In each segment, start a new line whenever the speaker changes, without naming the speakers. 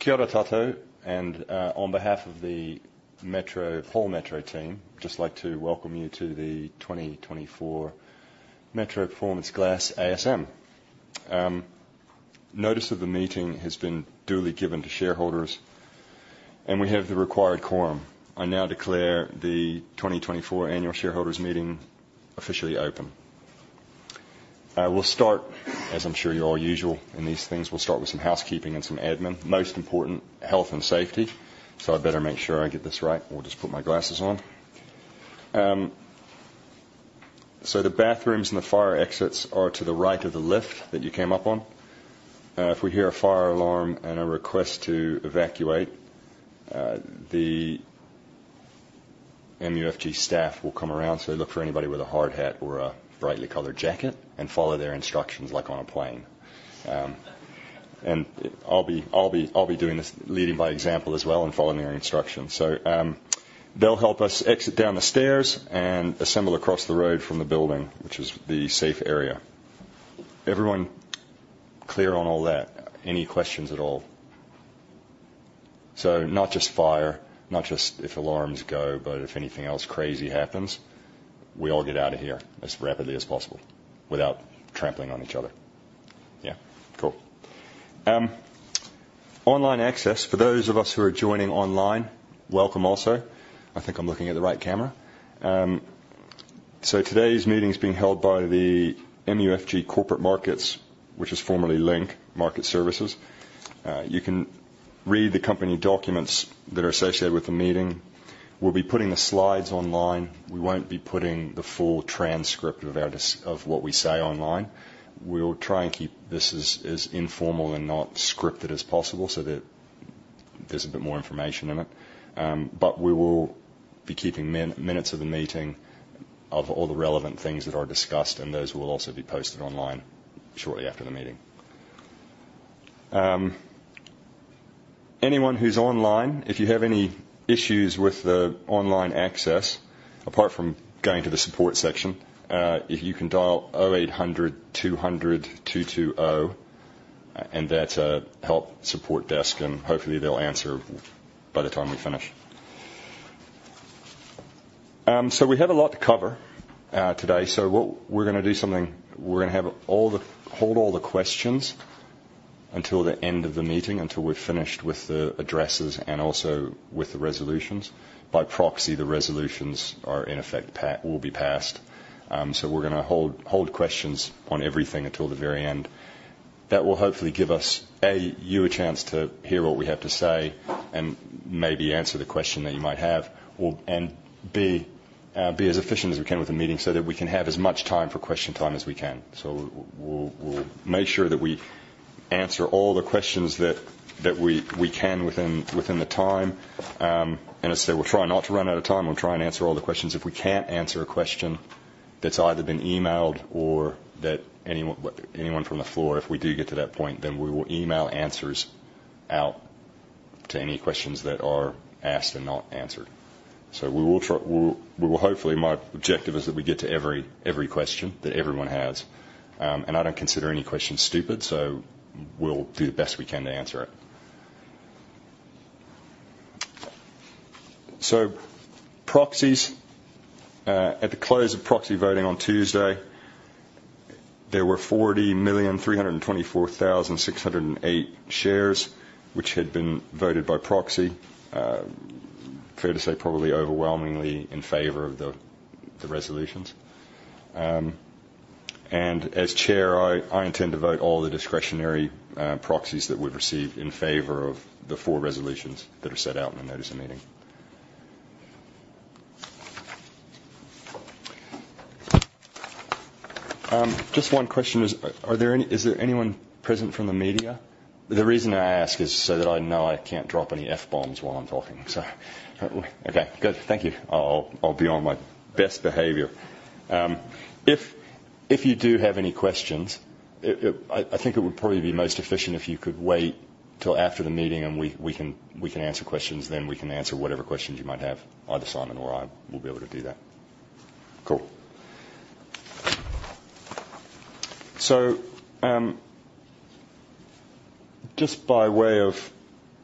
Kia ora koutou, and on behalf of the Metro, whole Metro team, just like to welcome you to the twenty twenty-four Metro Performance Glass ASM. Notice of the meeting has been duly given to shareholders, and we have the required quorum. I now declare the twenty twenty-four annual shareholders meeting officially open. I will start, as I'm sure you're all usual in these things, we'll start with some housekeeping and some admin. Most important, health and safety, so I better make sure I get this right. We'll just put my glasses on so the bathrooms and the fire exits are to the right of the lift that you came up on. If we hear a fire alarm and a request to evacuate, the MUFG staff will come around, so look for anybody with a hard hat or a brightly colored jacket and follow their instructions, like on a plane. And I'll be doing this leading by example as well and following their instructions. So, they'll help us exit down the stairs and assemble across the road from the building, which is the safe area. Everyone clear on all that? Any questions at all? So not just fire, not just if alarms go, but if anything else crazy happens, we all get out of here as rapidly as possible without trampling on each other. Yeah. Cool. Online access. For those of us who are joining online, welcome also. I think I'm looking at the right camera. So today's meeting is being held by the MUFG Corporate Markets, which is formerly Link Market Services. You can read the company documents that are associated with the meeting. We'll be putting the slides online. We won't be putting the full transcript of what we say online. We'll try and keep this as informal and not scripted as possible so that there's a bit more information in it. But we will be keeping minutes of the meeting of all the relevant things that are discussed, and those will also be posted online shortly after the meeting. Anyone who's online, if you have any issues with the online access, apart from going to the support section, if you can dial 0800 200 220, and that's a help support desk, and hopefully they'll answer by the time we finish. So we have a lot to cover today. So what we're going to do is have all the questions held until the end of the meeting, until we're finished with the addresses and also with the resolutions. By proxy, the resolutions are in effect, will be passed. So we're going to hold questions on everything until the very end. That will hopefully give us, A, you a chance to hear what we have to say and maybe answer the question that you might have. And B, be as efficient as we can with the meeting so that we can have as much time for question time as we can. So we'll make sure that we answer all the questions that we can within the time. And as I say, we'll try not to run out of time. We'll try and answer all the questions. If we can't answer a question that's either been emailed or that anyone from the floor, if we do get to that point, then we will email answers out to any questions that are asked and not answered. So we will try we will hopefully, my objective is that we get to every question that everyone has. And I don't consider any questions stupid, so we'll do the best we can to answer it. So proxies at the close of proxy voting on Tuesday, there were 40,324,608 shares, which had been voted by proxy. Fair to say, probably overwhelmingly in favor of the resolutions. And as chair, I intend to vote all the discretionary proxies that we've received in favor of the four resolutions that are set out in the notice of meeting. Just one question: is there anyone present from the media? The reason I ask is so that I know I can't drop any F-bombs while I'm talking. So, okay, good. Thank you. I'll be on my best behavior. If you do have any questions, I think it would probably be most efficient if you could wait till after the meeting, and we can answer questions then. We can answer whatever questions you might have. Either Simon or I will be able to do that. Cool. So, just by way of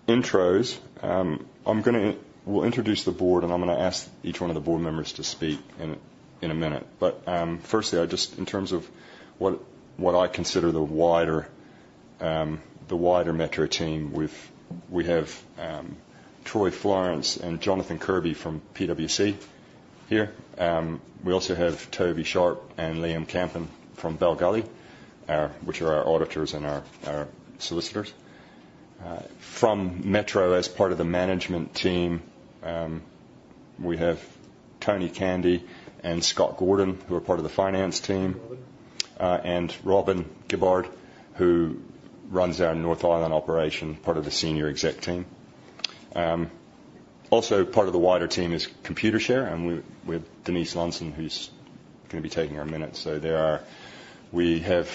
intros, I'm gonna... We'll introduce the board, and I'm going to ask each one of the board members to speak in a minute. But, firstly, I just, in terms of what I consider the wider Metro team, we have Troy Florence and Jonathan Kirby from PwC here. We also have Toby Sharpe and Liam Campen from Bell Gully, which are our auditors and our solicitors. From Metro, as part of the management team, we have Tony Candy and Scott Gordon, who are part of the finance team- And Robin. And Robyn Gibbard, who runs our North Island operation, part of the senior exec team. Also part of the wider team is Computershare, and we have Denise Lumsden, who's going to be taking our minutes. So there are. We have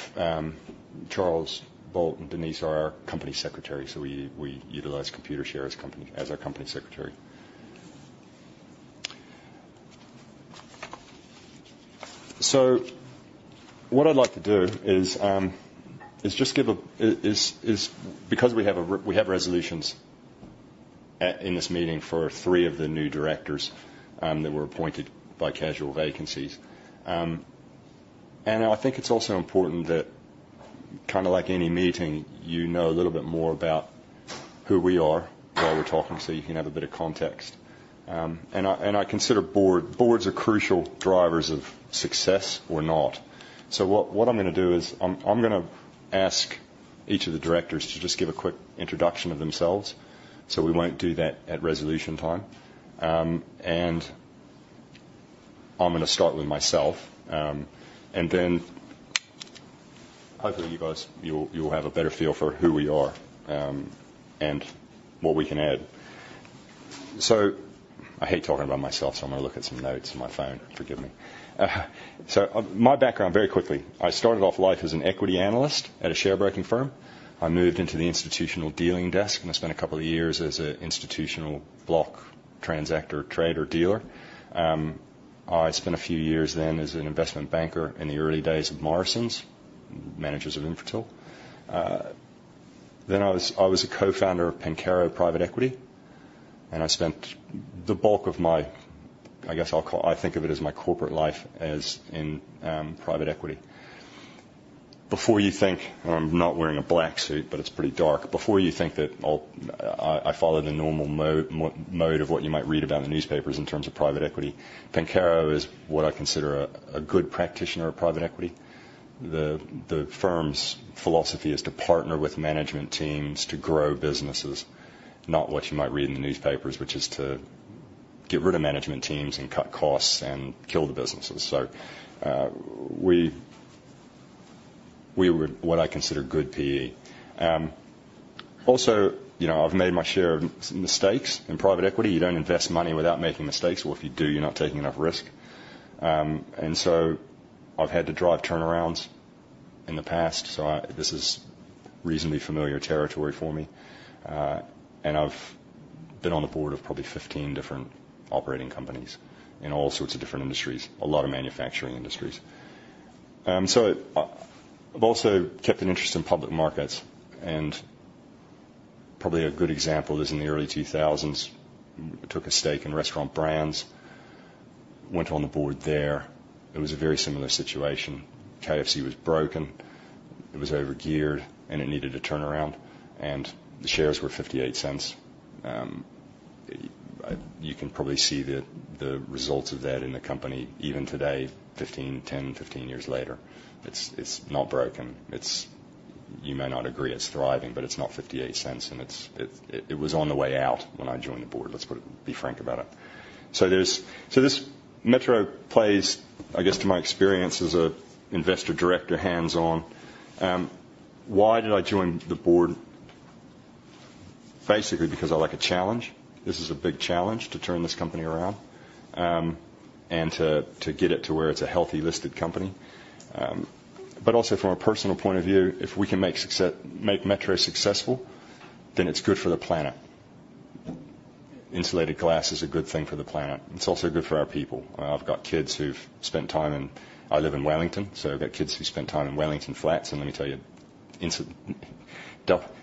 Charles Bolt and Denise are our company secretary, so we utilize Computershare as our company secretary. So what I'd like to do is just give a is because we have resolutions in this meeting for three of the new directors, that were appointed by casual vacancies. And I think it's also important that kind of like any meeting, you know a little bit more about who we are, why we're talking, so you can have a bit of context. And I consider boards are crucial drivers of success or not. So what I'm gonna do is I'm gonna ask each of the directors to just give a quick introduction of themselves, so we won't do that at resolution time. And I'm gonna start with myself, and then hopefully, you guys, you will have a better feel for who we are, and what we can add. So I hate talking about myself, so I'm gonna look at some notes on my phone. Forgive me. So, my background, very quickly, I started off life as an equity analyst at a sharebroking firm. I moved into the institutional dealing desk, and I spent a couple of years as an institutional block transactor, trader, dealer. I spent a few years then as an investment banker in the early days of Morrisons, managers of Infratil. Then I was a co-founder of Pencarrow Private Equity, and I spent the bulk of my... I guess I'll call, I think of it as my corporate life as in private equity. Before you think, I'm not wearing a black suit, but it's pretty dark. Before you think that I'll, I follow the normal mode of what you might read about in the newspapers in terms of private equity, Pencarrow is what I consider a good practitioner of private equity. The firm's philosophy is to partner with management teams to grow businesses, not what you might read in the newspapers, which is to get rid of management teams and cut costs and kill the businesses. So, we were what I consider good PE. Also, you know, I've made my share of mistakes. In private equity, you don't invest money without making mistakes, or if you do, you're not taking enough risk. And so I've had to drive turnarounds in the past, so this is reasonably familiar territory for me. And I've been on the board of probably 15 different operating companies in all sorts of different industries, a lot of manufacturing industries. So I've also kept an interest in public markets, and probably a good example is in the early 2000s, took a stake in Restaurant Brands, went on the board there. It was a very similar situation. KFC was broken, it was overgeared, and it needed a turnaround, and the shares were 0.58. You can probably see the results of that in the company even today, 15, 10, 15 years later. It's not broken. It's... You may not agree it's thriving, but it's not $0.58, and it was on the way out when I joined the board. Let's put it. Be frank about it. So this Metro plays, I guess, to my experience as a investor director, hands-on. Why did I join the board? Basically, because I like a challenge. This is a big challenge to turn this company around, and to get it to where it's a healthy, listed company. But also from a personal point of view, if we can make Metro successful, then it's good for the planet. Insulated glass is a good thing for the planet. It's also good for our people. I've got kids who've spent time in... I live in Wellington, so I've got kids who spent time in Wellington Flats, and let me tell you,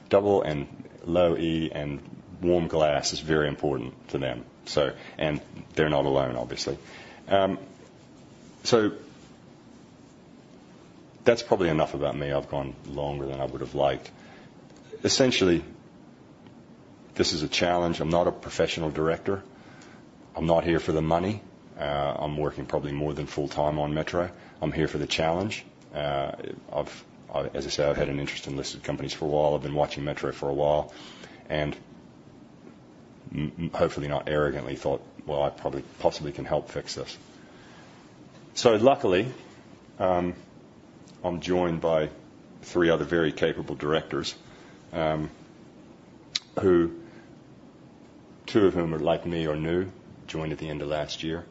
double and Low E and warm glass is very important to them, so, and they're not alone, obviously. So that's probably enough about me. I've gone longer than I would've liked. Essentially, this is a challenge. I'm not a professional director. I'm not here for the money. I'm working probably more than full time on Metro. I'm here for the challenge. As I said, I've had an interest in listed companies for a while. I've been watching Metro for a while, and hopefully, not arrogantly thought, "Well, I probably, possibly can help fix this." So luckily, I'm joined by three other very capable directors, who two of whom are like me, are new, joined at the end of last year.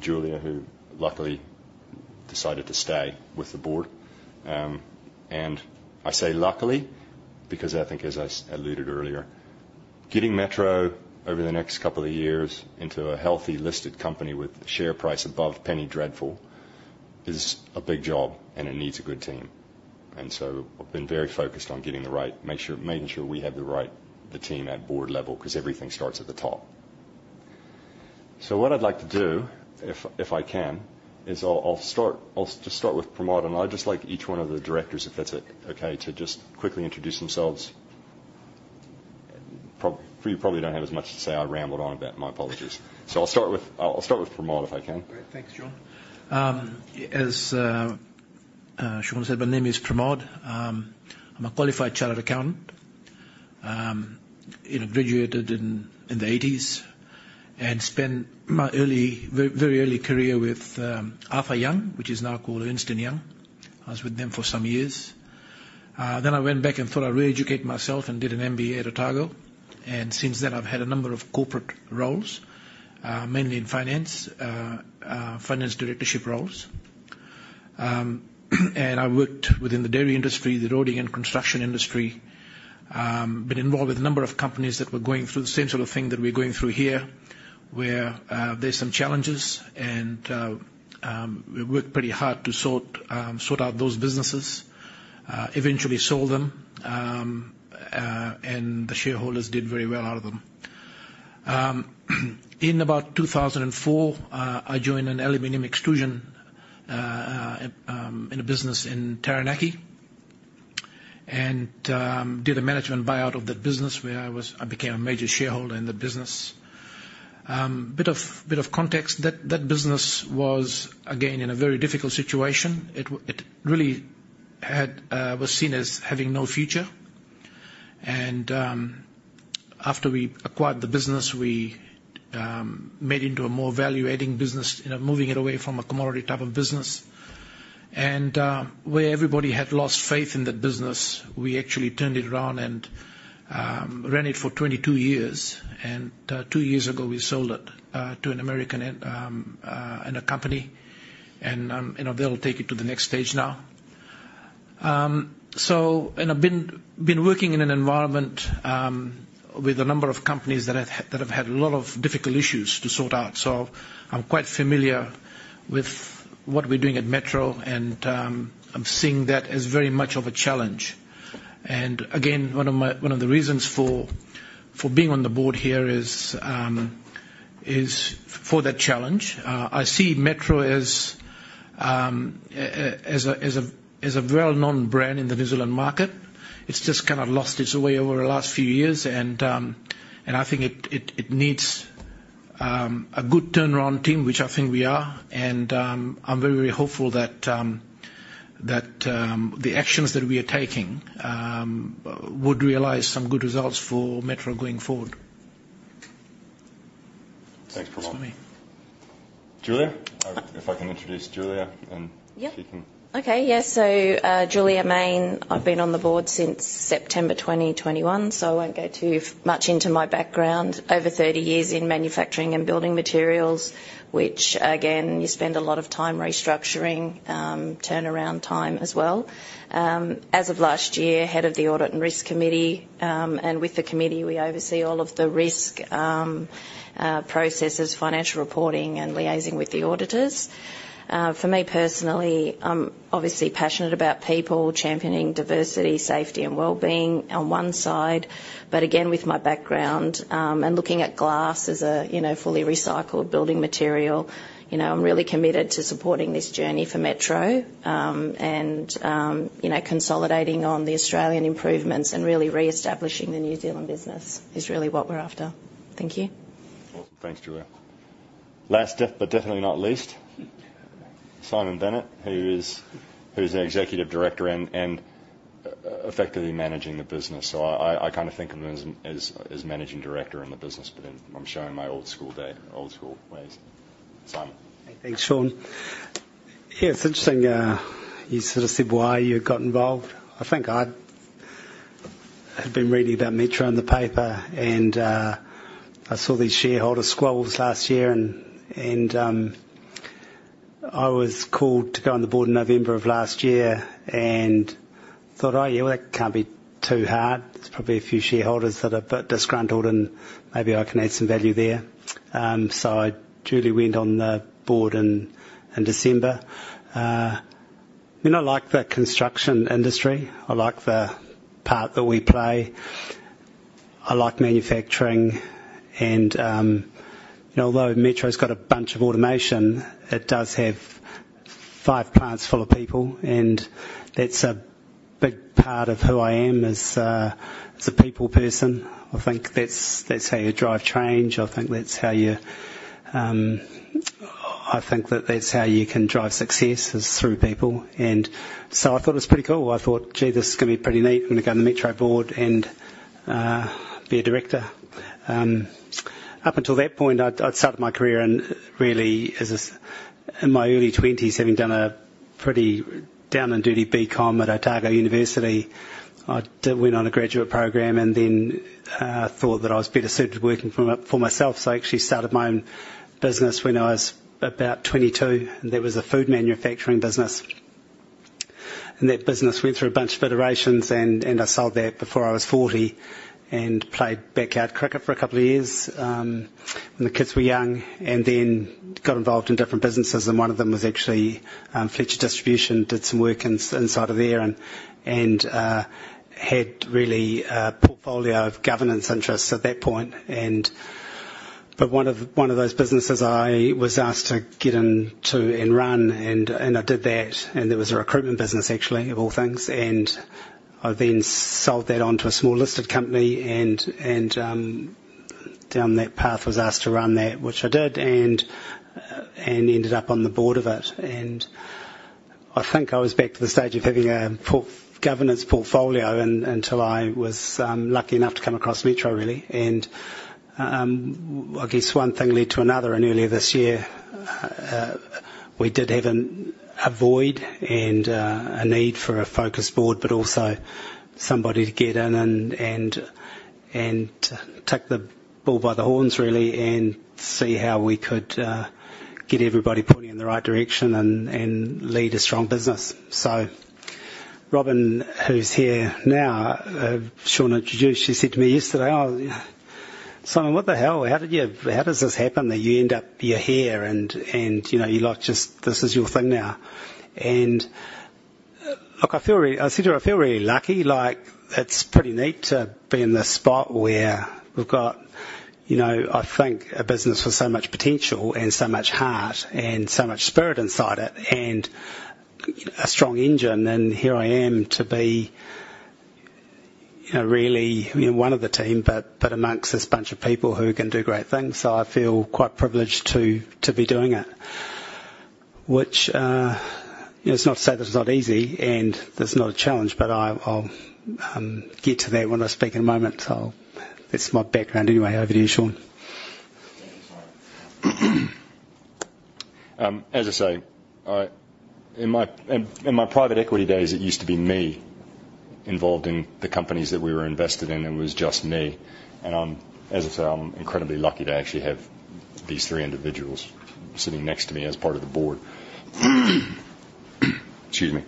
Julia, who luckily decided to stay with the board. I say luckily, because I think, as I alluded earlier, getting Metro over the next couple of years into a healthy, listed company with share price above penny dreadful is a big job, and it needs a good team. I've been very focused on making sure we have the right team at board level, 'cause everything starts at the top. What I'd like to do, if I can, is I'll just start with Pramod, and I'd just like each one of the directors, if that's okay, to just quickly introduce themselves. You probably don't have as much to say. I rambled on about it, my apologies. I'll start with Pramod, if I can.
Great. Thanks, John. As Shawn said, my name is Pramod. I'm a qualified chartered accountant. You know, graduated in the eighties and spent my early, very early career with Arthur Young, which is now called Ernst & Young. I was with them for some years. Then I went back and thought I'd re-educate myself and did an MBA at Otago, and since then I've had a number of corporate roles, mainly in finance, finance directorship roles. And I worked within the dairy industry, the roading and construction industry. Been involved with a number of companies that were going through the same sort of thing that we're going through here, where there's some challenges and we worked pretty hard to sort out those businesses. Eventually sold them, and the shareholders did very well out of them. In about 2004, I joined an aluminum extrusion business in Taranaki and did a management buyout of that business, where I became a major shareholder in the business. A bit of context, that business was, again, in a very difficult situation. It really had, was seen as having no future. After we acquired the business, we made it into a more value-adding business, you know, moving it away from a commodity type of business. Where everybody had lost faith in that business, we actually turned it around and ran it for 22 years. And two years ago, we sold it to an American in a company, and you know, they'll take it to the next stage now. So, and I've been working in an environment with a number of companies that have had a lot of difficult issues to sort out. So I'm quite familiar with what we're doing at Metro, and I'm seeing that as very much of a challenge. And again, one of my... One of the reasons for being on the board here is for that challenge. I see Metro as a well-known brand in the New Zealand market. It's just kind of lost its way over the last few years, and I think it needs a good turnaround team, which I think we are. And I'm very hopeful that the actions that we are taking would realize some good results for Metro going forward.
Thanks, Pramod.
That's me.
Julia? If I can introduce Julia, and-
Yeah
- she can-
Okay, yes. So, Julia Mayne. I've been on the board since September 2021, so I won't go too much into my background. Over thirty years in manufacturing and building materials, which again, you spend a lot of time restructuring, turnaround time as well. As of last year, head of the Audit and Risk Committee, and with the committee, we oversee all of the risk processes, financial reporting, and liaising with the auditors. For me personally, I'm obviously passionate about people, championing diversity, safety, and wellbeing on one side, but again, with my background, and looking at glass as a, you know, fully recycled building material, you know, I'm really committed to supporting this journey for Metro. And, you know, consolidating on the Australian improvements and really reestablishing the New Zealand business is really what we're after. Thank you.
Awesome. Thanks, Julia. Last, but definitely not least, Simon Bennett, who is the Executive Director and effectively managing the business. So I kind of think of him as Managing Director in the business, but then I'm showing my old school day, old school ways. Simon.
Thanks, Shawn. Yeah, it's interesting, you sort of said why you got involved. I think I'd had been reading about Metro in the paper, and, I saw these shareholder squabbles last year and, I was called to go on the board in November of last year and thought: Oh, yeah, well, that can't be too hard. There's probably a few shareholders that are a bit disgruntled, and maybe I can add some value there. So I duly went on the board in December. You know, I like the construction industry. I like the part that we play. I like manufacturing and, you know, although Metro's got a bunch of automation, it does have five plants full of people, and that's a big part of who I am, is, as a people person. I think that's how you drive change. I think that's how you, I think that that's how you can drive success, is through people, and so I thought it was pretty cool. I thought: Gee, this is gonna be pretty neat. I'm gonna go on the Metro board and, be a director. Up until that point, I'd started my career and really, as a, in my early twenties, having done a pretty down and dirty BCom at Otago University. I went on a graduate program and then, thought that I was better suited working for my, for myself, so I actually started my own business when I was about twenty-two, and that was a food manufacturing business. That business went through a bunch of iterations, and I sold that before I was forty and played backyard cricket for a couple of years, when the kids were young, and then got involved in different businesses, and one of them was actually Fletcher Distribution. Did some work inside of there and had really a portfolio of governance interests at that point. But one of those businesses I was asked to get into and run, and I did that, and there was a recruitment business, actually, of all things. I then sold that on to a small listed company and down that path, was asked to run that, which I did, and ended up on the board of it. I think I was back to the stage of having a corporate governance portfolio and, until I was lucky enough to come across Metro, really. I guess one thing led to another, and earlier this year we did have a void and a need for a focused board, but also somebody to get in and take the bull by the horns, really, and see how we could get everybody pointing in the right direction and lead a strong business. Robyn, who's here now, Shawn introduced, she said to me yesterday, "Oh, Simon, what the hell? How did you—How does this happen, that you end up, you're here, and, and, you know, you like, just this is your thing now?" And, look, I feel really—I said to her, "I feel really lucky." Like, it's pretty neat to be in this spot where we've got, you know, I think, a business with so much potential and so much heart and so much spirit inside it, and a strong engine. And here I am to be, you know, really, one of the team, but, but amongst this bunch of people who can do great things. So I feel quite privileged to, to be doing it. Which, it's not to say that it's not easy, and that it's not a challenge, but I, I'll, get to that when I speak in a moment. So that's my background. Anyway, over to you, Shawn.
Thank you, Simon. As I say, in my private equity days, it used to be me involved in the companies that we were invested in, and it was just me. And I'm, as I said, incredibly lucky to actually have these three individuals sitting next to me as part of the board. Excuse me.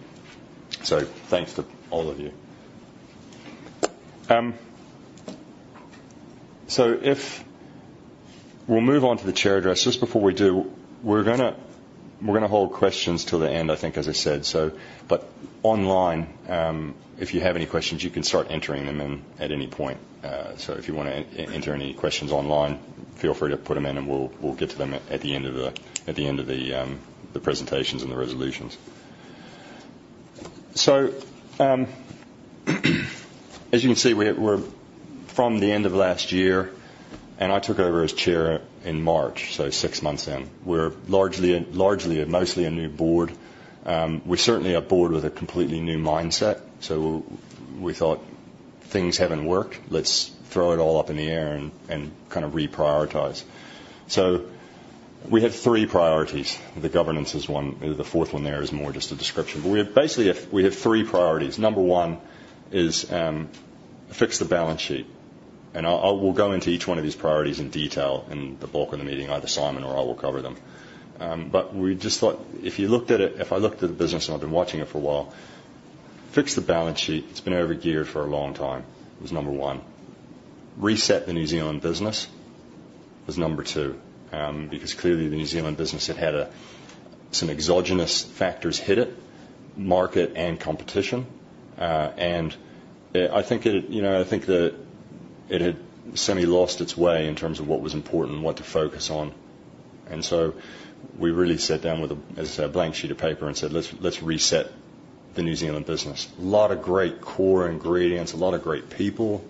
So thanks to all of you. We'll move on to the chair address. Just before we do, we're gonna hold questions till the end, I think, as I said. So, but online, if you have any questions, you can start entering them in at any point. So if you wanna enter any questions online, feel free to put them in, and we'll get to them at the end of the presentations and the resolutions. So, as you can see, we're from the end of last year, and I took over as chair in March, so six months in. We're largely and mostly a new board. We're certainly a board with a completely new mindset. So we thought, things haven't worked, let's throw it all up in the air and kind of reprioritize. So we have three priorities. The fourth one there is more just a description. But we have basically we have three priorities. Number one is, fix the balance sheet. And I will go into each one of these priorities in detail in the bulk of the meeting. Either Simon or I will cover them. But we just thought, if you looked at it, if I looked at the business, and I've been watching it for a while, fix the balance sheet, it's been overgeared for a long time, was number one. Reset the New Zealand business was number two, because clearly, the New Zealand business had had some exogenous factors hit it, market and competition. And, I think it, you know, I think that it had semi lost its way in terms of what was important and what to focus on. And so we really sat down with a, as I said, a blank sheet of paper and said, "Let's, let's reset the New Zealand business." A lot of great core ingredients, a lot of great people,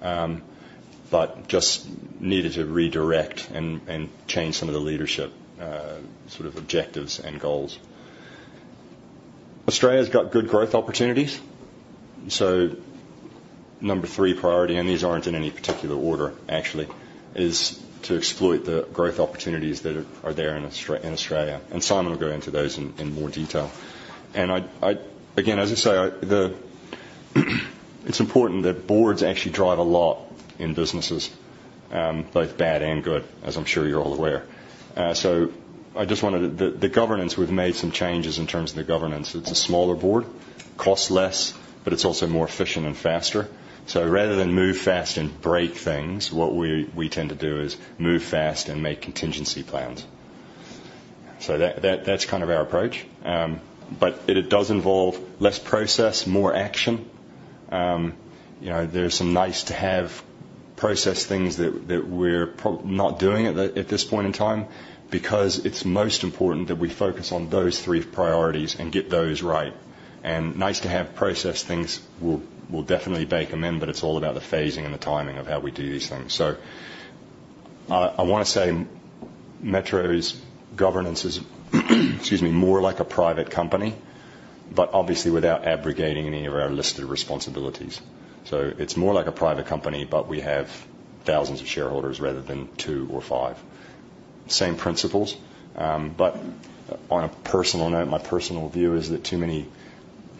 but just needed to redirect and, and change some of the leadership, sort of objectives and goals. Australia's got good growth opportunities. So number three priority, and these aren't in any particular order, actually, is to exploit the growth opportunities that are there in Australia, and Simon will go into those in more detail. Again, as I say, it's important that boards actually drive a lot in businesses, both bad and good, as I'm sure you're all aware. So I just wanted. The governance, we've made some changes in terms of the governance. It's a smaller board, costs less, but it's also more efficient and faster. Rather than move fast and break things, what we tend to do is move fast and make contingency plans. So that's kind of our approach. But it does involve less process, more action. You know, there are some nice-to-have process things that we're probably not doing at this point in time, because it's most important that we focus on those three priorities and get those right. Nice-to-have process things, we'll definitely bake them in, but it's all about the phasing and the timing of how we do these things, so I want to say Metro's governance is, excuse me, more like a private company, but obviously without abrogating any of our listed responsibilities, so it's more like a private company, but we have thousands of shareholders rather than two or five. Same principles, but on a personal note, my personal view is that too many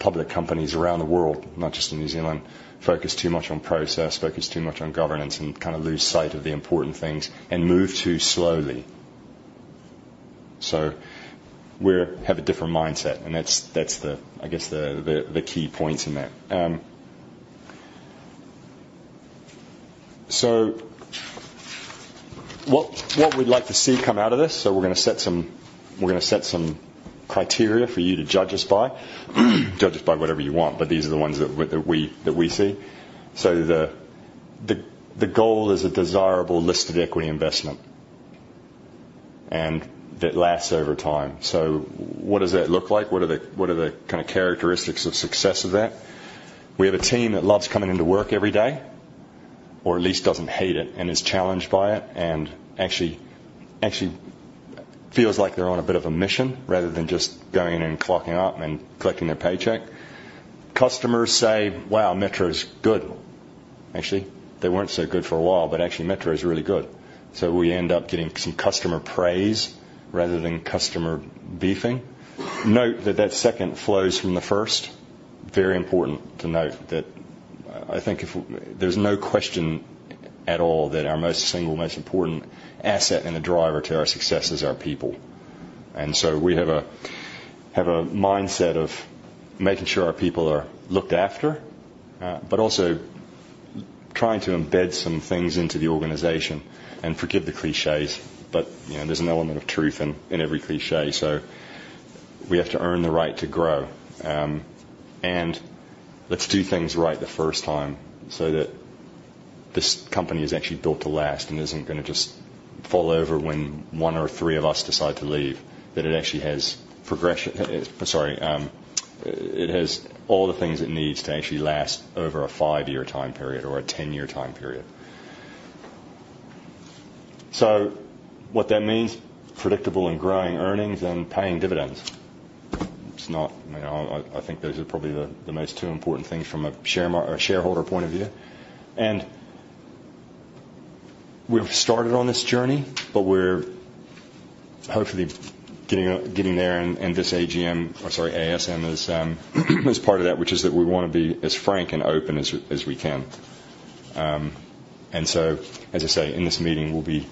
public companies around the world, not just in New Zealand, focus too much on process, focus too much on governance, and kind of lose sight of the important things, and move too slowly. So we have a different mindset, and that's, I guess, the key point in that. So what we'd like to see come out of this, so we're gonna set some criteria for you to judge us by. Judge us by whatever you want, but these are the ones that we see. So the goal is a desirable listed equity investment, and that lasts over time. So what does that look like? What are the kind of characteristics of success of that? We have a team that loves coming into work every day, or at least doesn't hate it, and is challenged by it, and actually, actually feels like they're on a bit of a mission, rather than just going in and clocking up and collecting their paycheck. Customers say, "Wow, Metro is good. Actually, they weren't so good for a while, but actually Metro is really good." So we end up getting some customer praise... rather than customer beefing. Note that that second flows from the first. Very important to note that, I think if there's no question at all that our most single, most important asset and a driver to our success is our people. And so we have a mindset of making sure our people are looked after, but also trying to embed some things into the organization. Forgive the clichés, but, you know, there's an element of truth in every cliché, so we have to earn the right to grow. And let's do things right the first time, so that this company is actually built to last and isn't gonna just fall over when one or three of us decide to leave, that it actually has progression. Sorry, it has all the things it needs to actually last over a five-year time period or a ten-year time period. So what that means, predictable and growing earnings and paying dividends. It's not, you know, I think those are probably the two most important things from a shareholder point of view. We've started on this journey, but we're hopefully getting there, and this AGM, or sorry, ASM, is part of that, which is that we wanna be as frank and open as we can. And so, as I say, in this meeting, we'll be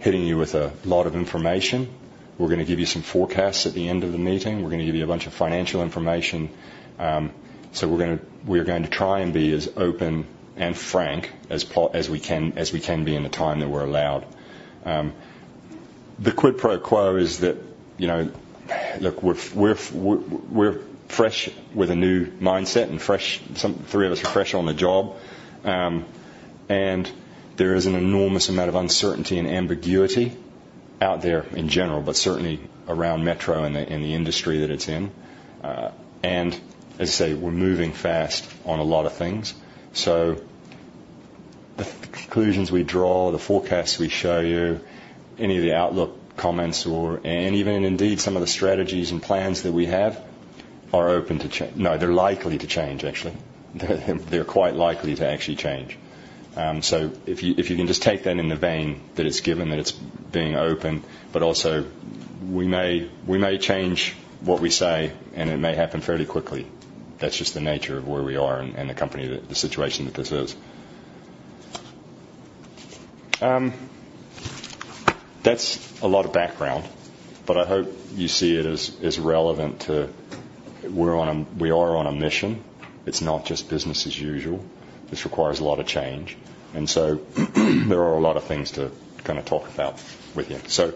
hitting you with a lot of information. We're gonna give you some forecasts at the end of the meeting. We're gonna give you a bunch of financial information. So we're going to try and be as open and frank as we can be in the time that we're allowed. The quid pro quo is that, you know, look, we're fresh with a new mindset, and fresh, three of us are fresh on the job. And there is an enormous amount of uncertainty and ambiguity out there in general, but certainly around Metro and the industry that it's in. And as I say, we're moving fast on a lot of things. So the conclusions we draw, the forecasts we show you, any of the outlook comments or and even indeed some of the strategies and plans that we have are open to change, no, they're likely to change, actually. They're quite likely to actually change. So if you, if you can just take that in the vein that it's given, that it's being open, but also we may, we may change what we say, and it may happen fairly quickly. That's just the nature of where we are and the company, the situation that this is. That's a lot of background, but I hope you see it as relevant to... We're on a mission. It's not just business as usual. This requires a lot of change, and so there are a lot of things to kind of talk about with you. So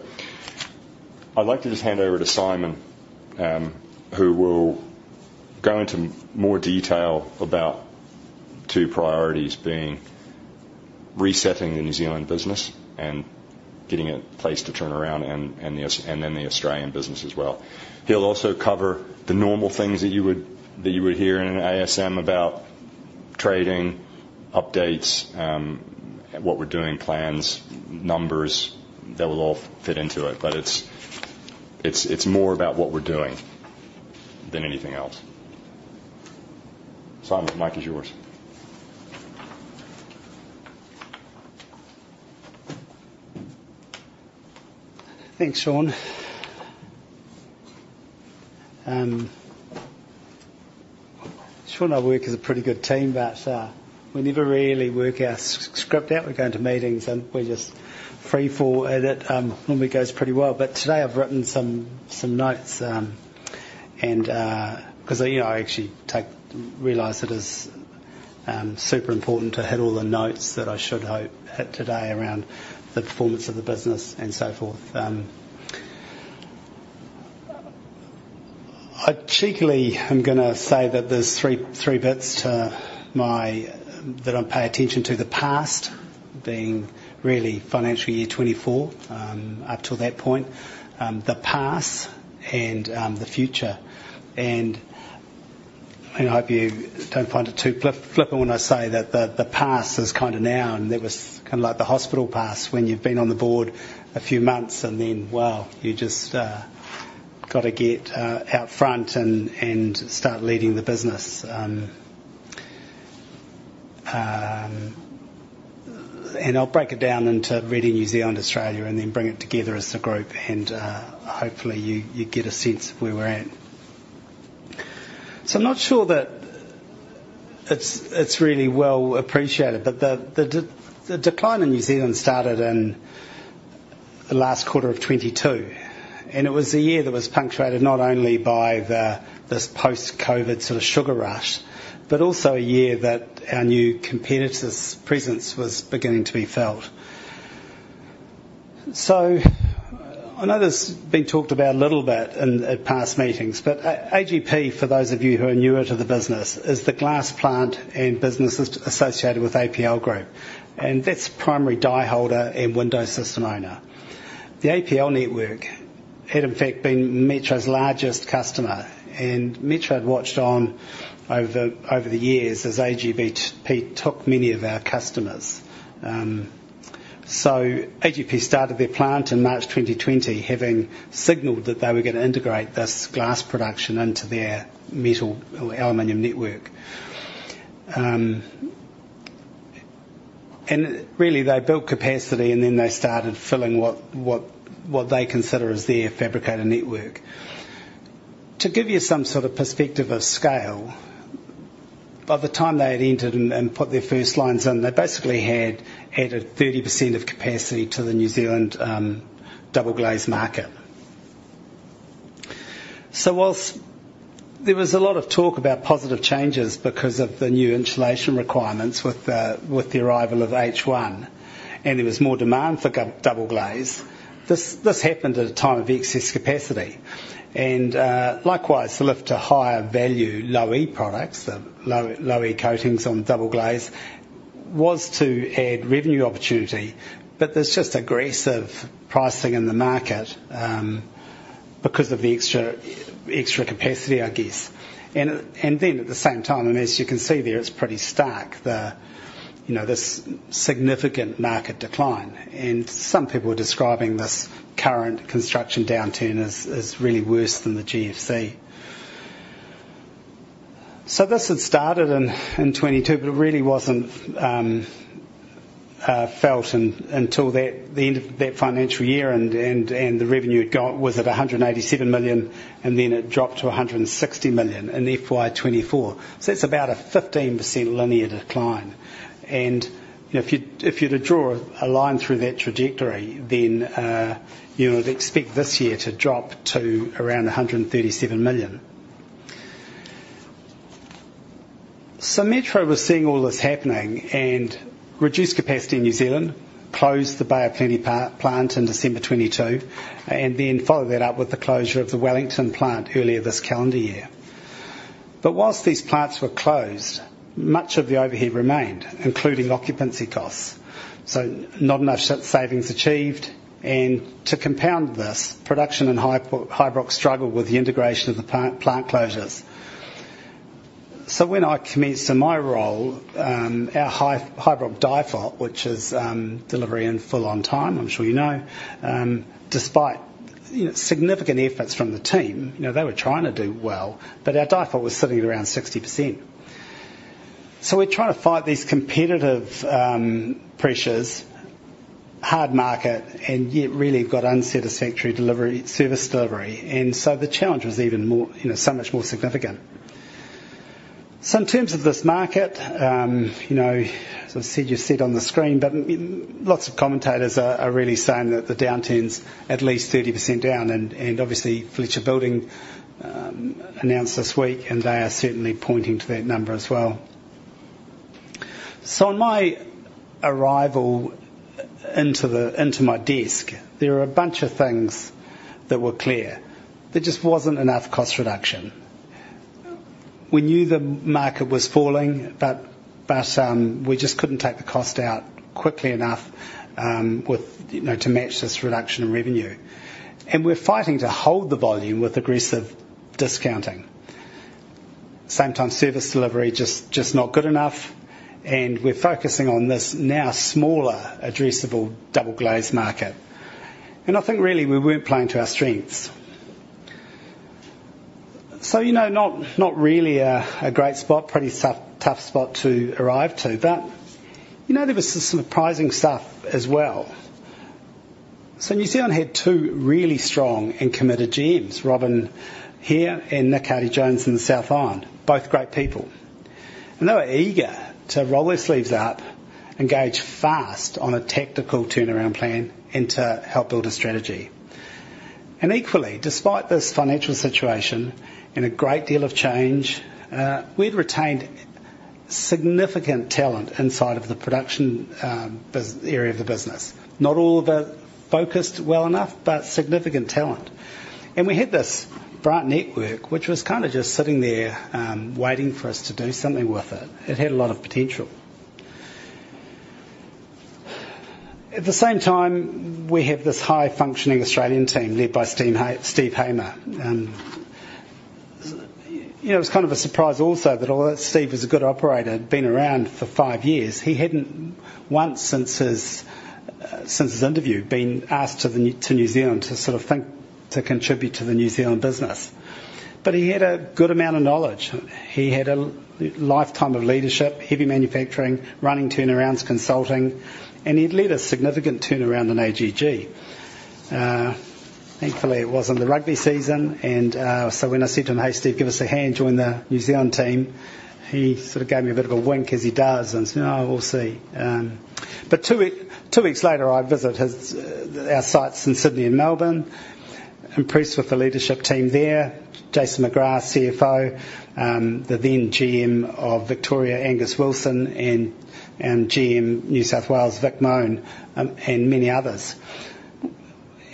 I'd like to just hand over to Simon, who will go into more detail about two priorities, being resetting the New Zealand business and getting it poised to turn around and the Australian business as well. He'll also cover the normal things that you would hear in an ASM about trading, updates, what we're doing, plans, numbers. That will all fit into it, but it's more about what we're doing than anything else. Simon, the mic is yours.
Thanks, Shawn. Shawn and I work as a pretty good team, but we never really work our script out. We go into meetings, and we just freefall at it. Normally goes pretty well, but today I've written some notes, and 'cause, you know, I actually realize it is super important to hit all the notes that I should hope hit today around the performance of the business and so forth. I cheekily am gonna say that there's three bits to my that I pay attention to: the past, being really financial year twenty-four, up till that point, the past, and the future. I hope you don't find it too flip, flippant when I say that the past is kind of now, and that was kind of like the hospital pass when you've been on the board a few months, and then, wow, you just got to get out front and start leading the business. I'll break it down into really New Zealand, Australia, and then bring it together as a group, and hopefully, you get a sense of where we're at. I'm not sure that it's really well appreciated, but the decline in New Zealand started in the last quarter of twenty-two, and it was a year that was punctuated not only by this post-COVID sort of sugar rush, but also a year that our new competitor's presence was beginning to be felt. I know this has been talked about a little bit in the past meetings, but AGP, for those of you who are newer to the business, is the glass plant and businesses associated with APL Group, and that's primary die holder and window system owner. The APL network had, in fact, been Metro's largest customer, and Metro had watched on over the years as AGP took many of our customers. AGP started their plant in March 2020, having signaled that they were going to integrate this glass production into their metal or aluminum network. Really, they built capacity, and then they started filling what they consider as their fabricator network. To give you some sort of perspective of scale, by the time they had entered and put their first lines in, they basically had added 30% of capacity to the New Zealand double glaze market. So while there was a lot of talk about positive changes because of the new insulation requirements with the arrival of H1, and there was more demand for double glaze, this happened at a time of excess capacity. And, likewise, the lift to higher value Low E products, the Low E coatings on double glaze, was to add revenue opportunity, but there's just aggressive pricing in the market because of the extra capacity, I guess. Then at the same time, and as you can see there, it's pretty stark, you know, this significant market decline, and some people are describing this current construction downturn as really worse than the GFC. So this had started in 2022, but it really wasn't felt until the end of that financial year, and the revenue was at 187 million, and then it dropped to 160 million in FY 2024. So that's about a 15% linear decline. And, you know, if you were to draw a line through that trajectory, then you would expect this year to drop to around 137 million. Metro was seeing all this happening and reduced capacity in New Zealand, closed the Bay of Plenty plant in December 2022, and then followed that up with the closure of the Wellington plant earlier this calendar year. But while these plants were closed, much of the overhead remained, including occupancy costs, so not enough savings achieved. To compound this, production and Highbrook struggled with the integration of the plant closures. When I commenced in my role, our Highbrook DIFOT, which is delivery in full on time, I'm sure you know. Despite, you know, significant efforts from the team, you know, they were trying to do well, but our DIFOT was sitting at around 60%. We're trying to fight these competitive pressures, hard market, and yet really got unsatisfactory delivery, service delivery. And so the challenge was even more, you know, so much more significant. So in terms of this market, you know, as I said, you see it on the screen, but lots of commentators are really saying that the downturn's at least 30% down, and obviously, Fletcher Building announced this week, and they are certainly pointing to that number as well. So on my arrival into my desk, there were a bunch of things that were clear. There just wasn't enough cost reduction. We knew the market was falling, but we just couldn't take the cost out quickly enough, with, you know, to match this reduction in revenue. And we're fighting to hold the volume with aggressive discounting. Same time, service delivery just not good enough, and we're focusing on this now smaller addressable double glaze market. I think really we weren't playing to our strengths. So, you know, not really a great spot. Pretty tough spot to arrive to, but, you know, there was some surprising stuff as well. So New Zealand had two really strong and committed GMs, Robyn here and Nick Hardy-Jones in the South Island, both great people. And they were eager to roll their sleeves up, engage fast on a tactical turnaround plan, and to help build a strategy. And equally, despite this financial situation and a great deal of change, we'd retained significant talent inside of the production, business area of the business. Not all of it focused well enough, but significant talent. And we had this bright network, which was kind of just sitting there, waiting for us to do something with it. It had a lot of potential. At the same time, we have this high-functioning Australian team led by Steve Hamer. You know, it was kind of a surprise also that although Steve was a good operator, been around for five years, he hadn't once since his, since his interview, been asked to New Zealand to sort of think, to contribute to the New Zealand business. But he had a good amount of knowledge. He had a lifetime of leadership, heavy manufacturing, running turnarounds, consulting, and he'd led a significant turnaround in AGG. Thankfully, it wasn't the rugby season, and so when I said to him, "Hey, Steve, give us a hand, join the New Zealand team," he sort of gave me a bit of a wink as he does, and said, "Oh, we'll see." But two weeks later, I visit his, our sites in Sydney and Melbourne, impressed with the leadership team there, Jason McGrath, CFO, the then GM of Victoria, Angus Wilson, and GM New South Wales, Vic Mohn, and many others.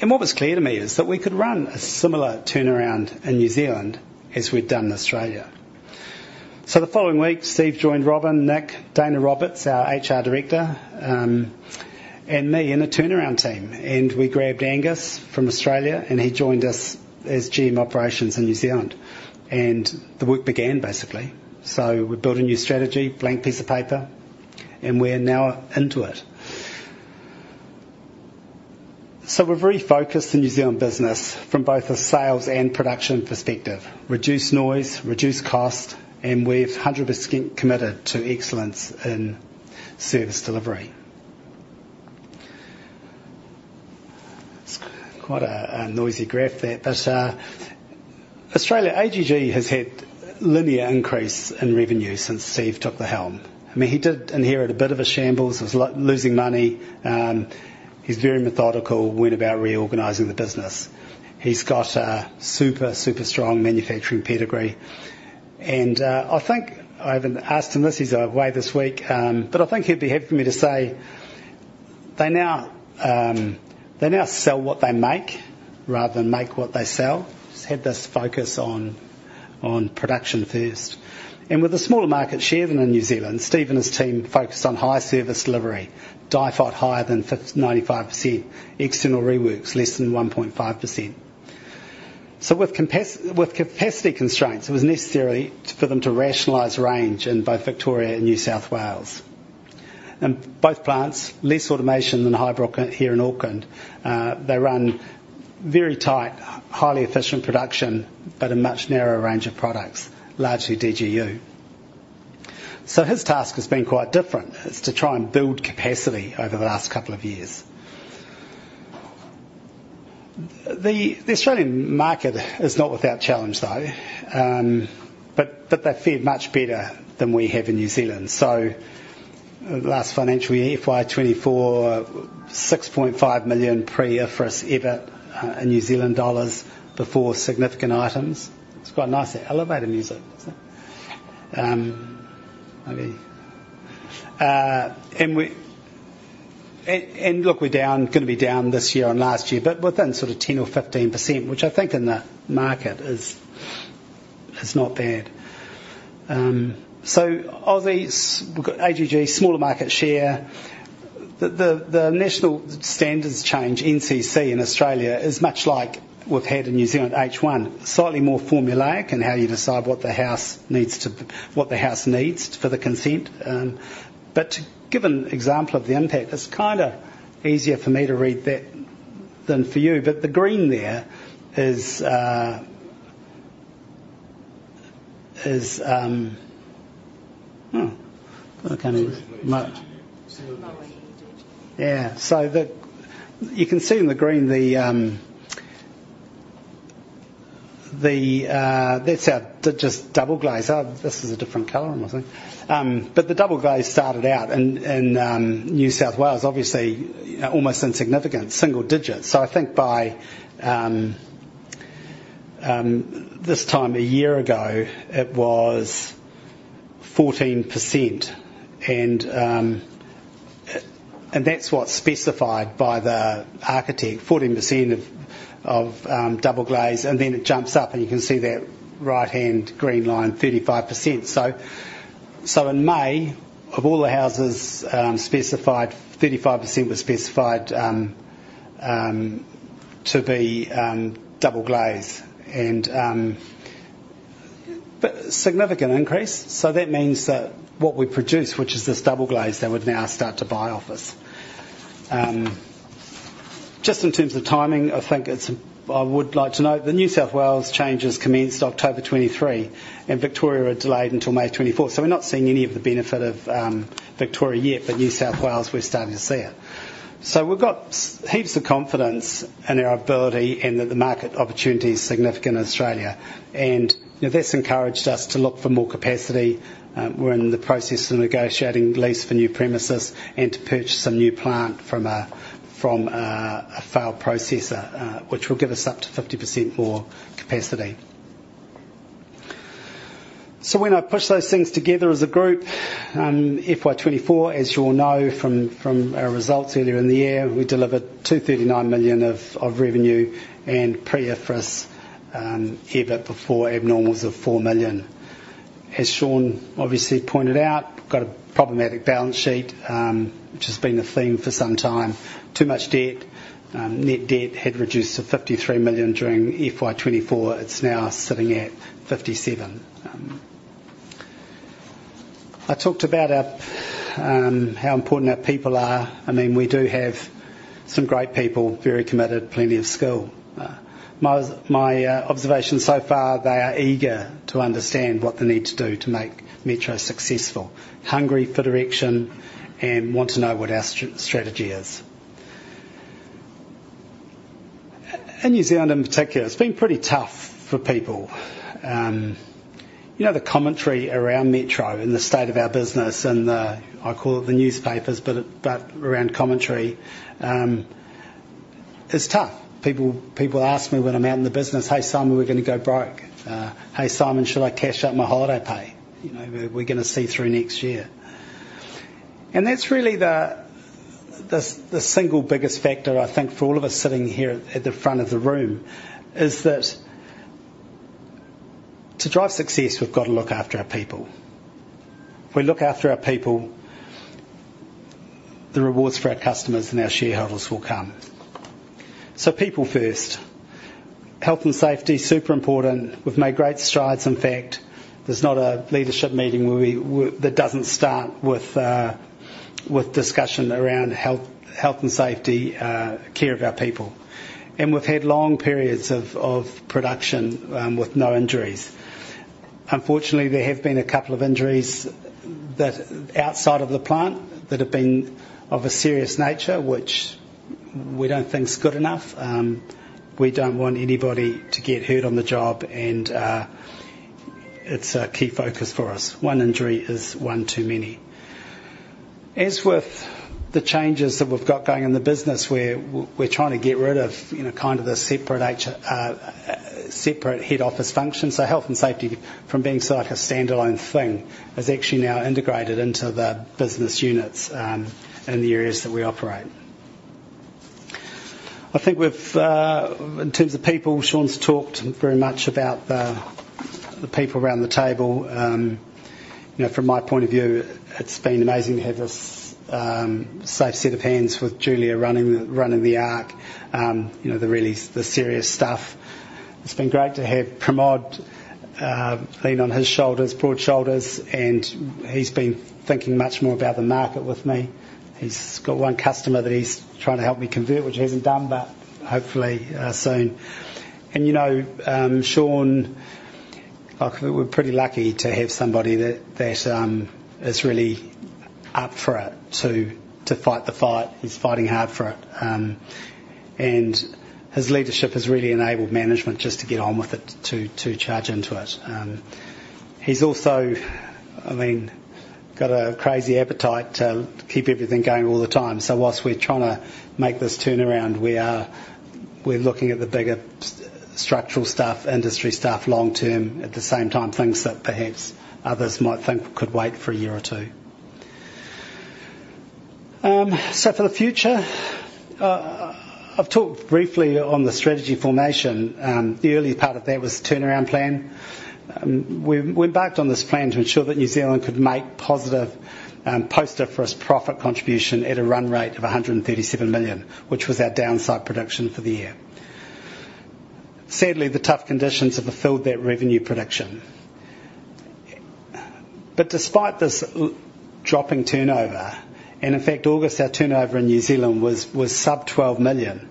What was clear to me is that we could run a similar turnaround in New Zealand as we'd done in Australia. So the following week, Steve joined Robyn, Nick, Dayna Roberts, our HR director, and me in a turnaround team, and we grabbed Angus from Australia, and he joined us as GM Operations in New Zealand. And the work began, basically. So we built a new strategy, blank piece of paper, and we're now into it.... So we're very focused in New Zealand business from both a sales and production perspective. Reduce noise, reduce cost, and we're 100% committed to excellence in service delivery. It's quite a noisy graph there, but Australia, AGG has had linear increase in revenue since Steve took the helm. I mean, he did inherit a bit of a shambles. It was losing money. He's very methodical, went about reorganizing the business. He's got a super, super strong manufacturing pedigree. And I think I even asked him this, he's away this week, but I think he'd be happy for me to say they now, they now sell what they make rather than make what they sell. Just had this focus on production first. With a smaller market share than in New Zealand, Steve and his team focus on high service delivery. DIFOT higher than 95%. External reworks less than 1.5%. So with capacity constraints, it was necessary for them to rationalize range in both Victoria and New South Wales. In both plants, less automation than Highbrook here in Auckland. They run very tight, highly efficient production, but a much narrower range of products, largely DGU. So his task has been quite different. It is to try and build capacity over the last couple of years. The Australian market is not without challenge, though, but they fare much better than we have in New Zealand. So last financial year, FY 2024, 6.5 million pre-IFRS EBIT in New Zealand dollars before significant items. It's quite nice, the elevator music. Maybe. And look, we're down, gonna be down this year on last year, but within sort of 10 or 15%, which I think in the market is not bad. So Aussie's, we've got AGG, smaller market share. The National Construction Code, NCC, in Australia is much like we've had in New Zealand, H1. Slightly more formulaic in how you decide what the house needs for the consent. But to give an example of the impact, it's kinda easier for me to read that than for you. But the green there is. I can't even remember. Oh, yeah, DG. Yeah. So you can see in the green, the that's our just double glaze. Oh, this is a different color, I think. But the double glaze started out in New South Wales, obviously, almost insignificant, single digits. So I think by this time a year ago, it was 14%, and that's what's specified by the architect, 14% of double glaze, and then it jumps up, and you can see that right-hand green line, 35%. So in May, of all the houses specified, 35% were specified to be double glaze, but significant increase. So that means that what we produce, which is this double glaze, they would now start to buy off us. Just in terms of timing, I think it's, I would like to note, the New South Wales changes commenced October 2023, and Victoria are delayed until May 2024. So we're not seeing any of the benefit of Victoria yet, but New South Wales, we're starting to see it. So we've got heaps of confidence in our ability and that the market opportunity is significant in Australia, and, you know, that's encouraged us to look for more capacity. We're in the process of negotiating lease for new premises and to purchase some new plant from a failed processor, which will give us up to 50% more capacity. When I push those things together as a group, FY 2024, as you all know from our results earlier in the year, we delivered 239 million of revenue and pre IFRS EBIT before abnormals of 4 million. As Shawn obviously pointed out, we've got a problematic balance sheet, which has been the theme for some time. Too much debt. Net debt had reduced to 53 million during FY 2024. It's now sitting at 57 million. I talked about how important our people are. I mean, we do have some great people, very committed, plenty of skill. My observation so far, they are eager to understand what they need to do to make Metro successful, hungry for direction, and want to know what our strategy is. In New Zealand, in particular, it's been pretty tough for people. You know, the commentary around Metro and the state of our business and the newspapers, but around commentary, it's tough. People ask me when I'm out in the business, "Hey, Simon, we're going to go broke? Hey, Simon, should I cash out my holiday pay? You know, are we gonna see through next year?" And that's really the single biggest factor, I think, for all of us sitting here at the front of the room, is that to drive success, we've got to look after our people. If we look after our people, the rewards for our customers and our shareholders will come. So people first. Health and safety, super important. We've made great strides. In fact, there's not a leadership meeting that doesn't start with discussion around health and safety, care of our people, and we've had long periods of production with no injuries. Unfortunately, there have been a couple of injuries outside of the plant that have been of a serious nature, which we don't think is good enough. We don't want anybody to get hurt on the job, and it's a key focus for us. One injury is one too many. As with the changes that we've got going in the business, we're trying to get rid of, you know, kind of the separate head office functions, so health and safety from being sort of like a standalone thing is actually now integrated into the business units in the areas that we operate. I think we've, in terms of people, Shawn's talked very much about the people around the table. You know, from my point of view, it's been amazing to have a safe set of hands with Julia running the ARC. You know, the really serious stuff. It's been great to have Pramod lean on his broad shoulders, and he's been thinking much more about the market with me. He's got one customer that he's trying to help me convert, which he hasn't done, but hopefully soon, and you know, Shawn, like, we're pretty lucky to have somebody that is really up for it, to fight the fight. He's fighting hard for it, and his leadership has really enabled management just to get on with it, to charge into it. He's also, I mean, got a crazy appetite to keep everything going all the time. So while we're trying to make this turnaround, we're looking at the bigger structural stuff, industry stuff, long term. At the same time, things that perhaps others might think could wait for a year or two. So for the future, I've talked briefly on the strategy formation. The early part of that was the turnaround plan. We embarked on this plan to ensure that New Zealand could make positive post-depreciation profit contribution at a run rate of 137 million, which was our downside prediction for the year. Sadly, the tough conditions have fulfilled that revenue prediction. But despite this dropping turnover, and in fact, August, our turnover in New Zealand was sub-NZD 12 million,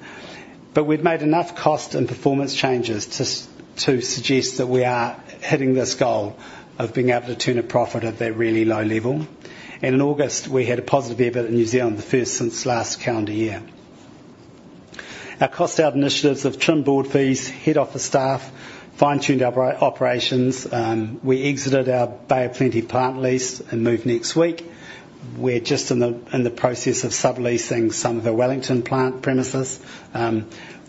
but we've made enough cost and performance changes to suggest that we are hitting this goal of being able to turn a profit at that really low level. And in August, we had a positive EBITDA in New Zealand, the first since last calendar year. Our cost out initiatives have trimmed board fees, head office staff, fine-tuned our operations, we exited our Bay of Plenty plant lease and move next week. We're just in the process of subleasing some of the Wellington plant premises.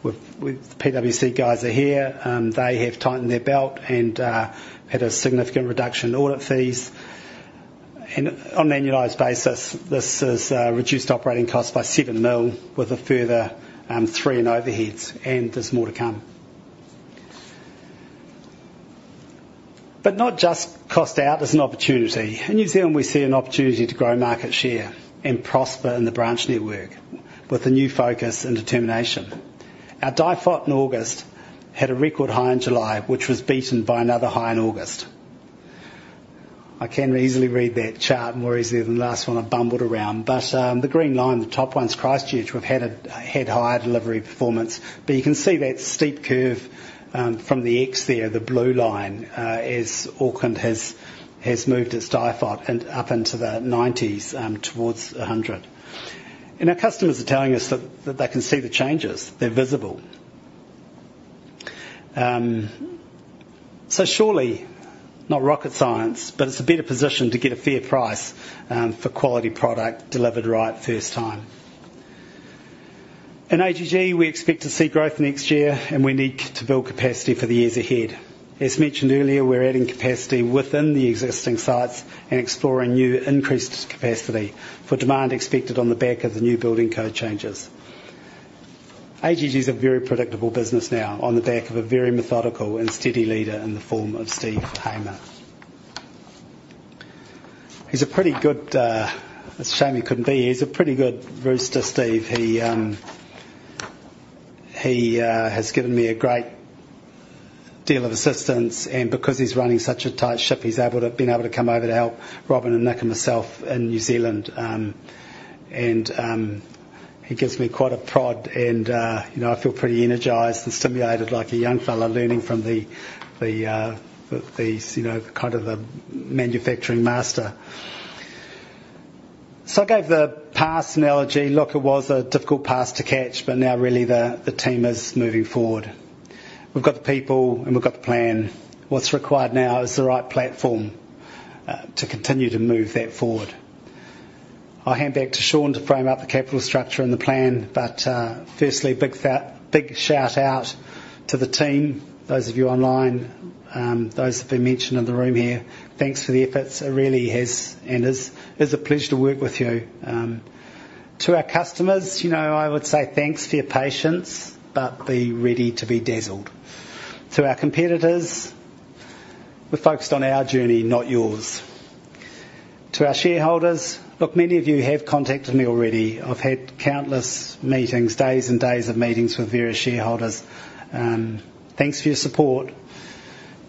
With PwC guys are here. They have tightened their belt and had a significant reduction in audit fees. And on an annualized basis, this has reduced operating costs by seven mil, with a further three in overheads, and there's more to come. But not just cost out, there's an opportunity. In New Zealand, we see an opportunity to grow market share and prosper in the branch network with a new focus and determination. Our DIFOT in August had a record high in July, which was beaten by another high in August. I can easily read that chart more easily than the last one I bumbled around. But the green line, the top one's Christchurch, we've had higher delivery performance. But you can see that steep curve from the X there, the blue line, as Auckland has moved its DIFOT and up into the nineties towards a hundred. And our customers are telling us that they can see the changes. They're visible. So surely, not rocket science, but it's a better position to get a fair price for quality product delivered right first time. In AGG, we expect to see growth next year, and we need to build capacity for the years ahead. As mentioned earlier, we're adding capacity within the existing sites and exploring new increased capacity for demand expected on the back of the new building code changes. AGG is a very predictable business now on the back of a very methodical and steady leader in the form of Steve Hamer. He's a pretty good. It's a shame he couldn't be here. He's a pretty good rooster, Steve. He has given me a great deal of assistance, and because he's running such a tight ship, he's been able to come over to help Robin and Nick and myself in New Zealand. And he gives me quite a prod, and you know, I feel pretty energized and stimulated like a young fella learning from you know, kind of the manufacturing master. So I gave the pass analogy. Look, it was a difficult pass to catch, but now really the team is moving forward. We've got the people, and we've got the plan. What's required now is the right platform to continue to move that forward. I'll hand back to Shawn to frame up the capital structure and the plan, but firstly, big shout out to the team, those of you online, those that have been mentioned in the room here. Thanks for the efforts. It really has and is a pleasure to work with you. To our customers, you know, I would say thanks for your patience, but be ready to be dazzled. To our competitors, we're focused on our journey, not yours. To our shareholders, look, many of you have contacted me already. I've had countless meetings, days and days of meetings with various shareholders. Thanks for your support.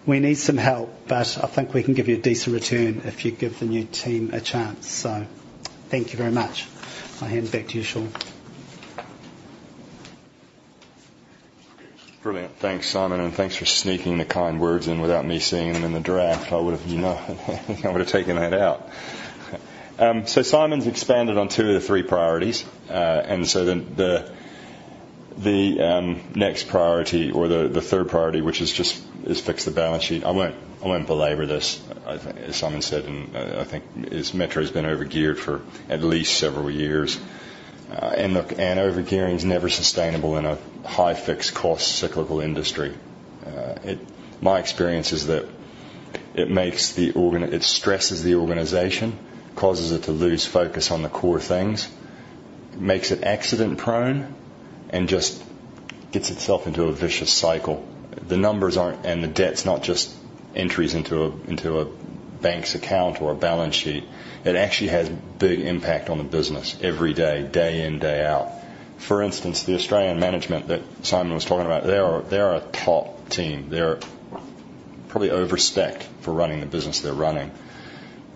We need some help, but I think we can give you a decent return if you give the new team a chance. Thank you very much. I'll hand it back to you, Shawn.
Brilliant. Thanks, Simon, and thanks for sneaking the kind words in without me seeing them in the draft. I would have, you know, I would have taken that out. So Simon's expanded on two of the three priorities. And so then the next priority or the third priority, which is just, is fix the balance sheet. I won't, I won't belabor this. I think, as Simon said, and I think it's Metro has been overgeared for at least several years. And look, and overgearing is never sustainable in a high fixed cost, cyclical industry. My experience is that it stresses the organization, causes it to lose focus on the core things, makes it accident-prone, and just gets itself into a vicious cycle. The numbers aren't, and the debt's not just entries into a bank's account or a balance sheet. It actually has big impact on the business every day, day in, day out. For instance, the Australian management that Simon was talking about, they are a top team. They're probably overstaffed for running the business they're running.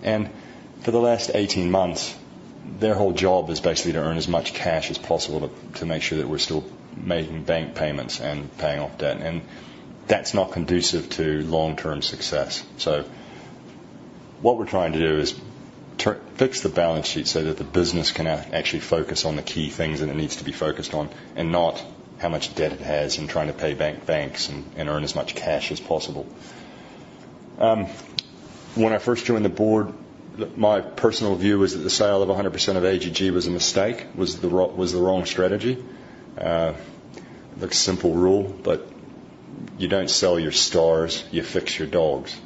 And for the last eighteen months, their whole job is basically to earn as much cash as possible to make sure that we're still making bank payments and paying off debt, and that's not conducive to long-term success. So what we're trying to do is fix the balance sheet so that the business can actually focus on the key things that it needs to be focused on, and not how much debt it has and trying to pay back banks and earn as much cash as possible. When I first joined the board, my personal view was that the sale of 100% of AGG was a mistake, the wrong strategy. Look, simple rule, but you don't sell your stars, you fix your dogs.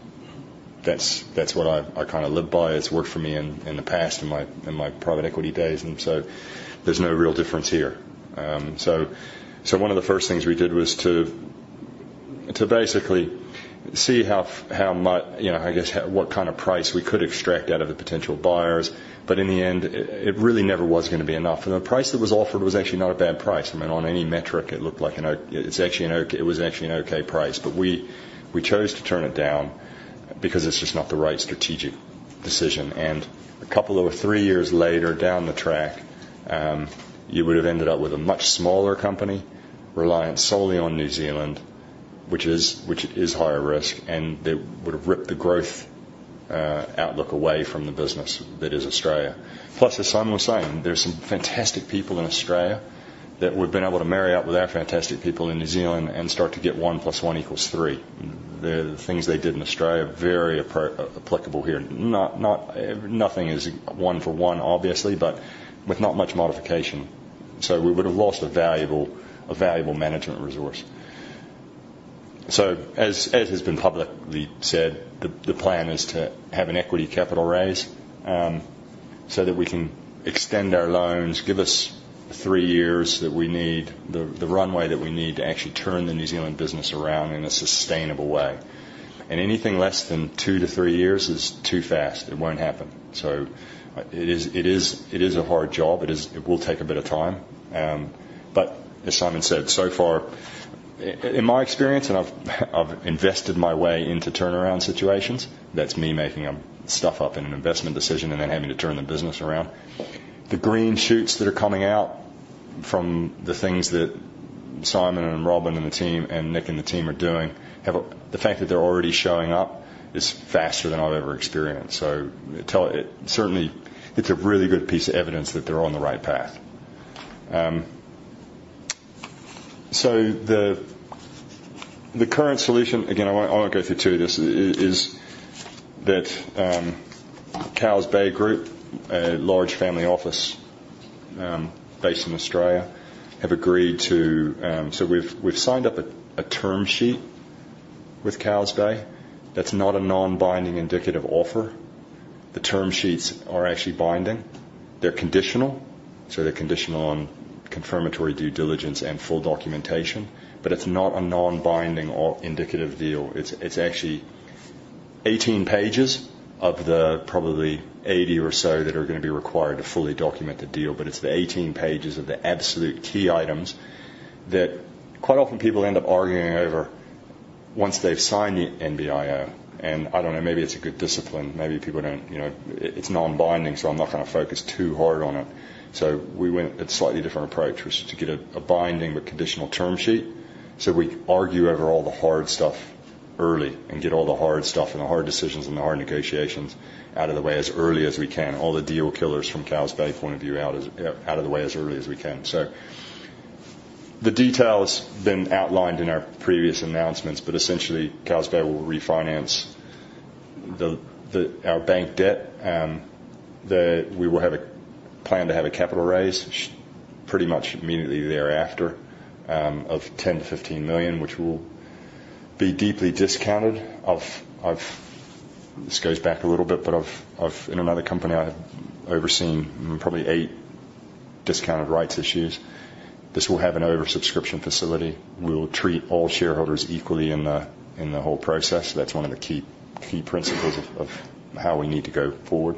That's what I kind of live by. It's worked for me in the past, in my private equity days, and so there's no real difference here. So, one of the first things we did was to basically see how much. You know, I guess, what kind of price we could extract out of the potential buyers. But in the end, it really never was gonna be enough. And the price that was offered was actually not a bad price. I mean, on any metric, it looked like an okay price, but it was actually an okay price. We chose to turn it down because it's just not the right strategic decision. A couple or three years later, down the track, you would have ended up with a much smaller company reliant solely on New Zealand, which is higher risk, and they would have ripped the growth outlook away from the business that is Australia. Plus, as Simon was saying, there's some fantastic people in Australia that we've been able to marry up with our fantastic people in New Zealand and start to get one plus one equals three. The things they did in Australia, very applicable here. Nothing is one for one, obviously, but with not much modification. So we would have lost a valuable management resource. So as has been publicly said, the plan is to have an equity capital raise, so that we can extend our loans, give us the three years that we need, the runway that we need to actually turn the New Zealand business around in a sustainable way. And anything less than two to three years is too fast. It won't happen. So it is a hard job. It is. It will take a bit of time. But as Simon said, so far, in my experience, and I've invested my way into turnaround situations, that's me making stuff up in an investment decision and then having to turn the business around. The green shoots that are coming out from the things that Simon and Robyn and the team, and Nick and the team are doing, have the fact that they're already showing up is faster than I've ever experienced. So it certainly, it's a really good piece of evidence that they're on the right path. So the current solution, again, I won't go through too much of this, is that Cowes Bay Group, a large family office based in Australia, have agreed to. So we've signed up a term sheet with Cowes Bay. That's not a non-binding indicative offer. The term sheets are actually binding. They're conditional, so they're conditional on confirmatory due diligence and full documentation, but it's not a non-binding or indicative deal. It's actually 18 pages of the probably 80 or so that are gonna be required to fully document the deal, but it's the 18 pages of the absolute key items that quite often people end up arguing over once they've signed the NBIO, and I don't know, maybe it's a good discipline, maybe people don't, you know, it's non-binding, so I'm not gonna focus too hard on it, so we went at a slightly different approach, which was to get a binding but conditional term sheet, so we argue over all the hard stuff early and get all the hard stuff and the hard decisions and the hard negotiations out of the way as early as we can. All the deal killers from Cowes Bay point of view, out of the way as early as we can. So the detail has been outlined in our previous announcements, but essentially, Cowes Bay will refinance our bank debt. We will have a plan to have a capital raise pretty much immediately thereafter of 10-15 million, which will be deeply discounted. I've. This goes back a little bit, but I've in another company, I have overseen probably eight discounted rights issues. This will have an oversubscription facility. We will treat all shareholders equally in the whole process. That's one of the key principles of how we need to go forward.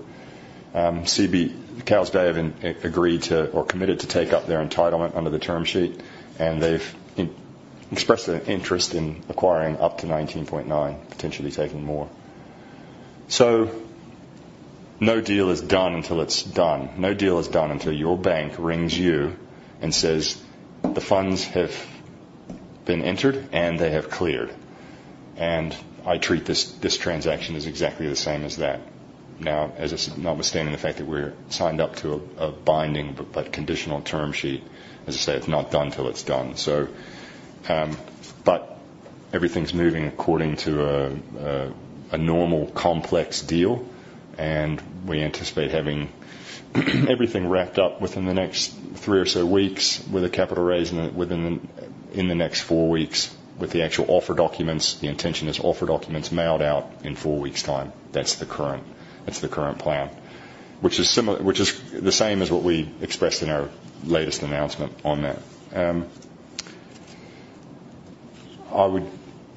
CB, Cowes Bay, have agreed to or committed to take up their entitlement under the term sheet, and they've expressed an interest in acquiring up to 19.9%, potentially taking more. So no deal is done until it's done. No deal is done until your bank rings you and says, "The funds have been entered, and they have cleared," and I treat this, this transaction as exactly the same as that. Now, as I said, notwithstanding the fact that we're signed up to a binding but conditional term sheet, as I say, it's not done till it's done. So, but everything's moving according to a normal, complex deal, and we anticipate having everything wrapped up within the next three or so weeks, with a capital raise in it within the next four weeks, with the actual offer documents. The intention is offer documents mailed out in four weeks' time. That's the current, that's the current plan. Which is the same as what we expressed in our latest announcement on that. I would...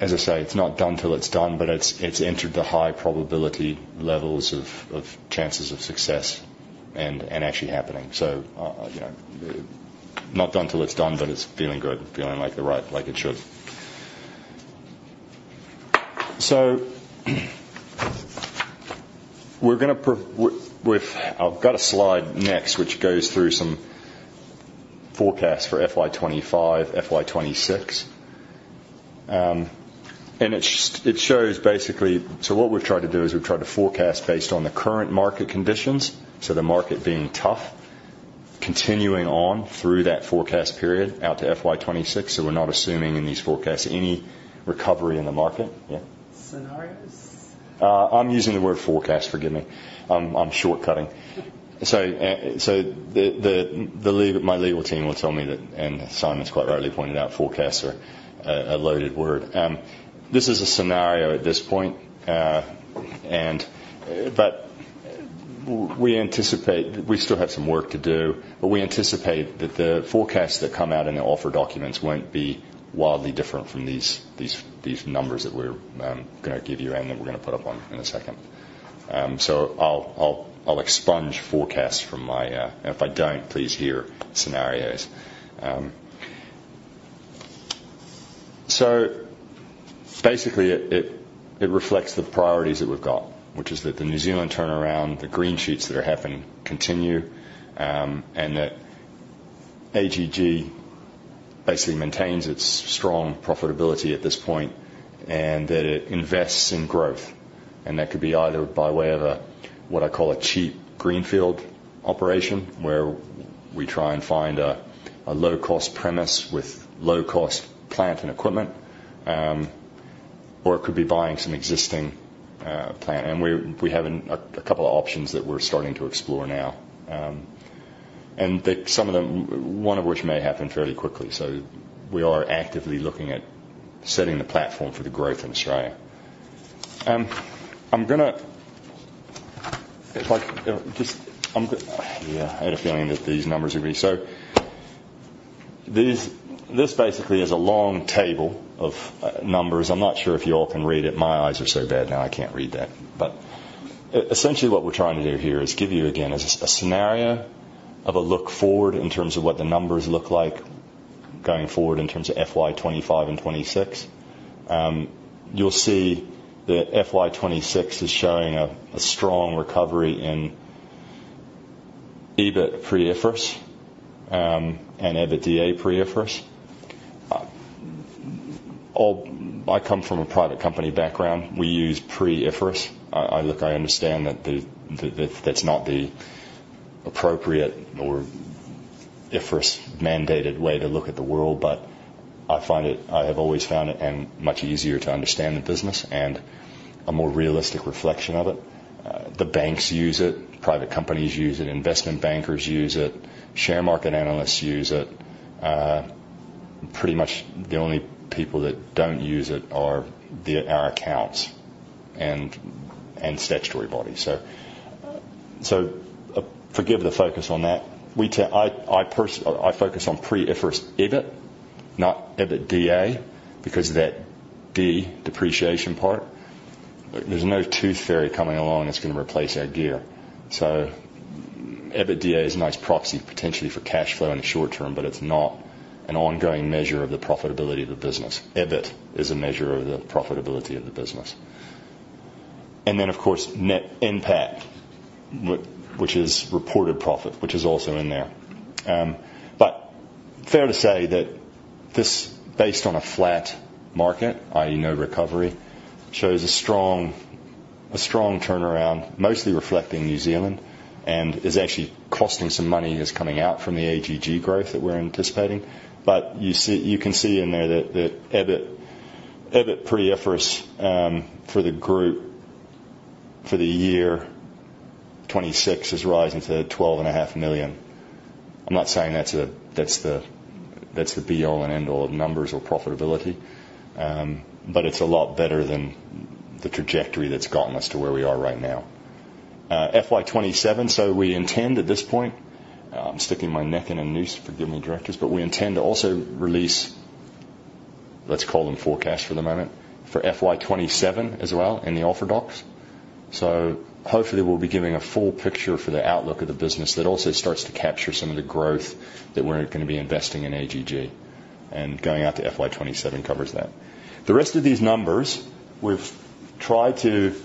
As I say, it's not done till it's done, but it's entered the high probability levels of chances of success and actually happening, so yeah, not done till it's done, but it's feeling good, feeling like the right like it should. So we're gonna. I've got a slide next, which goes through some forecasts for FY 2025, FY 2026, and it shows basically... so what we've tried to do is we've tried to forecast based on the current market conditions, so the market being tough, continuing on through that forecast period out to FY 2026, so we're not assuming in these forecasts any recovery in the market. Yeah?
Scenarios?
I'm using the word forecast. Forgive me. I'm shortcutting, so the legal team will tell me that, and Simon's quite rightly pointed out, forecasts are a loaded word. This is a scenario at this point, and, but we anticipate. We still have some work to do, but we anticipate that the forecasts that come out in the offer documents won't be wildly different from these numbers that we're gonna give you, and that we're gonna put up on in a second, so I'll expunge forecasts from my. If I don't, please hear scenarios. So basically, it reflects the priorities that we've got, which is that the New Zealand turnaround, the green shoots that are happening, continue, and that AGG basically maintains its strong profitability at this point, and that it invests in growth. And that could be either by way of what I call a cheap greenfield operation, where we try and find a low-cost premises with low-cost plant and equipment, or it could be buying some existing plant. And we have a couple of options that we're starting to explore now, and that some of them, one of which may happen fairly quickly. We are actively looking at setting the platform for the growth in Australia. Yeah, I had a feeling that these numbers are gonna be... So this, this basically is a long table of numbers. I'm not sure if you all can read it. My eyes are so bad now, I can't read that. But essentially, what we're trying to do here is give you, again, a scenario of a look forward in terms of what the numbers look like going forward in terms of FY 2025 and twenty-six. You'll see that FY 2026 is showing a strong recovery in EBIT pre-IFRS and EBITDA pre-IFRS. I come from a private company background. We use pre-IFRS. I understand that that's not the appropriate or IFRS-mandated way to look at the world, but I find it, I have always found it much easier to understand the business and a more realistic reflection of it. The banks use it, private companies use it, investment bankers use it, share market analysts use it. Pretty much the only people that don't use it are our accounts and statutory bodies. So forgive the focus on that. I focus on pre-IFRS EBIT, not EBITDA, because of that D, depreciation part. There's no tooth fairy coming along that's gonna replace our gear. So EBITDA is a nice proxy, potentially for cash flow in the short term, but it's not an ongoing measure of the profitability of the business. EBIT is a measure of the profitability of the business. And then, of course, net NPAT, which is reported profit, which is also in there. But fair to say that this, based on a flat market, i.e., no recovery, shows a strong turnaround, mostly reflecting New Zealand, and is actually costing some money that's coming out from the AGG growth that we're anticipating. But you see, you can see in there that EBIT pre-IFRS for the group for the year 2026 is rising to 12.5 million. I'm not saying that's the be all and end all of numbers or profitability, but it's a lot better than the trajectory that's gotten us to where we are right now. FY 2027, so we intend, at this point, I'm sticking my neck in a noose, forgive me, directors, but we intend to also release, let's call them forecasts for the moment, for FY 2027 as well in the offer docs. So hopefully, we'll be giving a full picture for the outlook of the business that also starts to capture some of the growth that we're gonna be investing in AGG, and going out to FY 2027 covers that. The rest of these numbers, we've tried to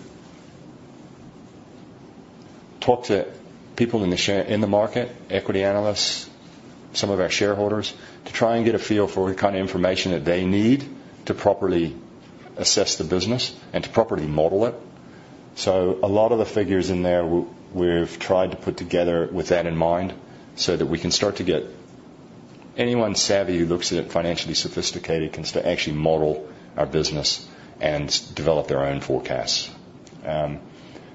talk to people in the share market, equity analysts, some of our shareholders, to try and get a feel for the kind of information that they need to properly assess the business and to properly model it. So a lot of the figures in there, we've tried to put together with that in mind, so that we can start to get anyone savvy who looks at it, financially sophisticated, can actually model our business and develop their own forecasts.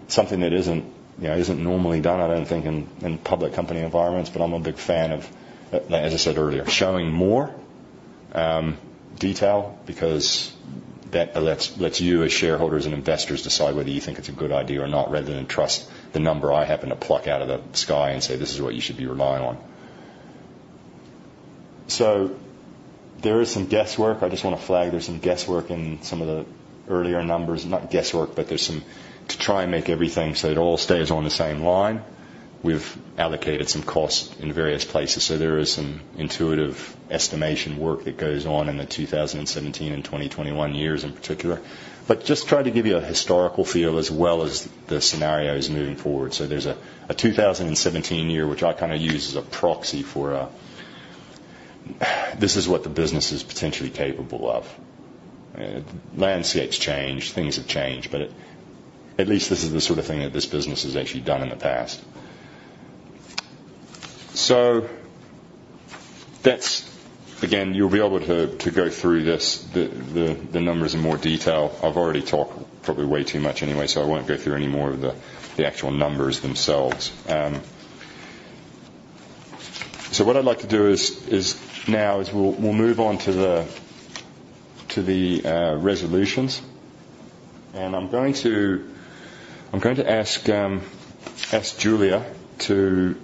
Something that isn't, you know, isn't normally done, I don't think, in public company environments, but I'm a big fan of, as I said earlier, showing more detail because that lets you, as shareholders and investors, decide whether you think it's a good idea or not, rather than trust the number I happen to pluck out of the sky and say, "This is what you should be relying on." So there is some guesswork. I just want to flag there's some guesswork in some of the earlier numbers. Not guesswork, but there's some... To try and make everything so it all stays on the same line, we've allocated some costs in various places, so there is some intuitive estimation work that goes on in the 2017 and 2021 years in particular. But just try to give you a historical feel as well as the scenarios moving forward. So there's a 2017 year, which I kind of use as a proxy for this is what the business is potentially capable of. Landscape's changed, things have changed, but at least this is the sort of thing that this business has actually done in the past. So that's, again, you'll be able to go through this, the numbers in more detail. I've already talked probably way too much anyway, so I won't go through any more of the actual numbers themselves. So what I'd like to do now is we'll move on to the resolutions. And I'm going to ask Julia to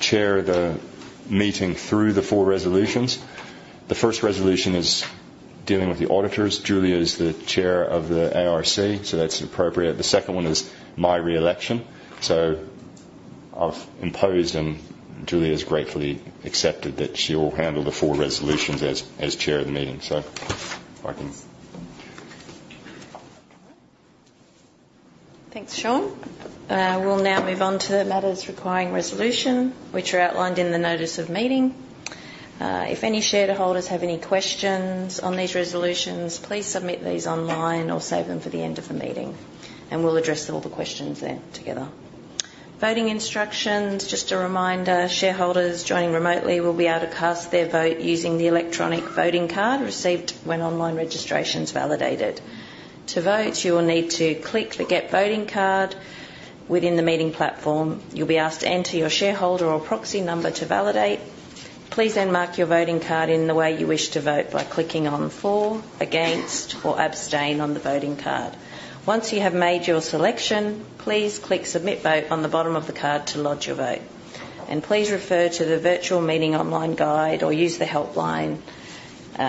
chair the meeting through the four resolutions. The first resolution is dealing with the auditors. Julia is the chair of the ARC, so that's appropriate. The second one is my re-election, so I've imposed, and Julia's gratefully accepted that she will handle the four resolutions as chair of the meeting. So if I can-
Thanks, Shawn. We'll now move on to the matters requiring resolution, which are outlined in the notice of meeting. If any shareholders have any questions on these resolutions, please submit these online or save them for the end of the meeting, and we'll address all the questions then together. Voting instructions, just a reminder, shareholders joining remotely will be able to cast their vote using the electronic voting card received when online registration's validated. To vote, you will need to click the Get Voting Card within the meeting platform. You'll be asked to enter your shareholder or proxy number to validate. Please then mark your voting card in the way you wish to vote by clicking on for, against, or abstain on the voting card. Once you have made your selection, please click Submit Vote on the bottom of the card to lodge your vote. Please refer to the Virtual Meeting Online Guide or use the helpline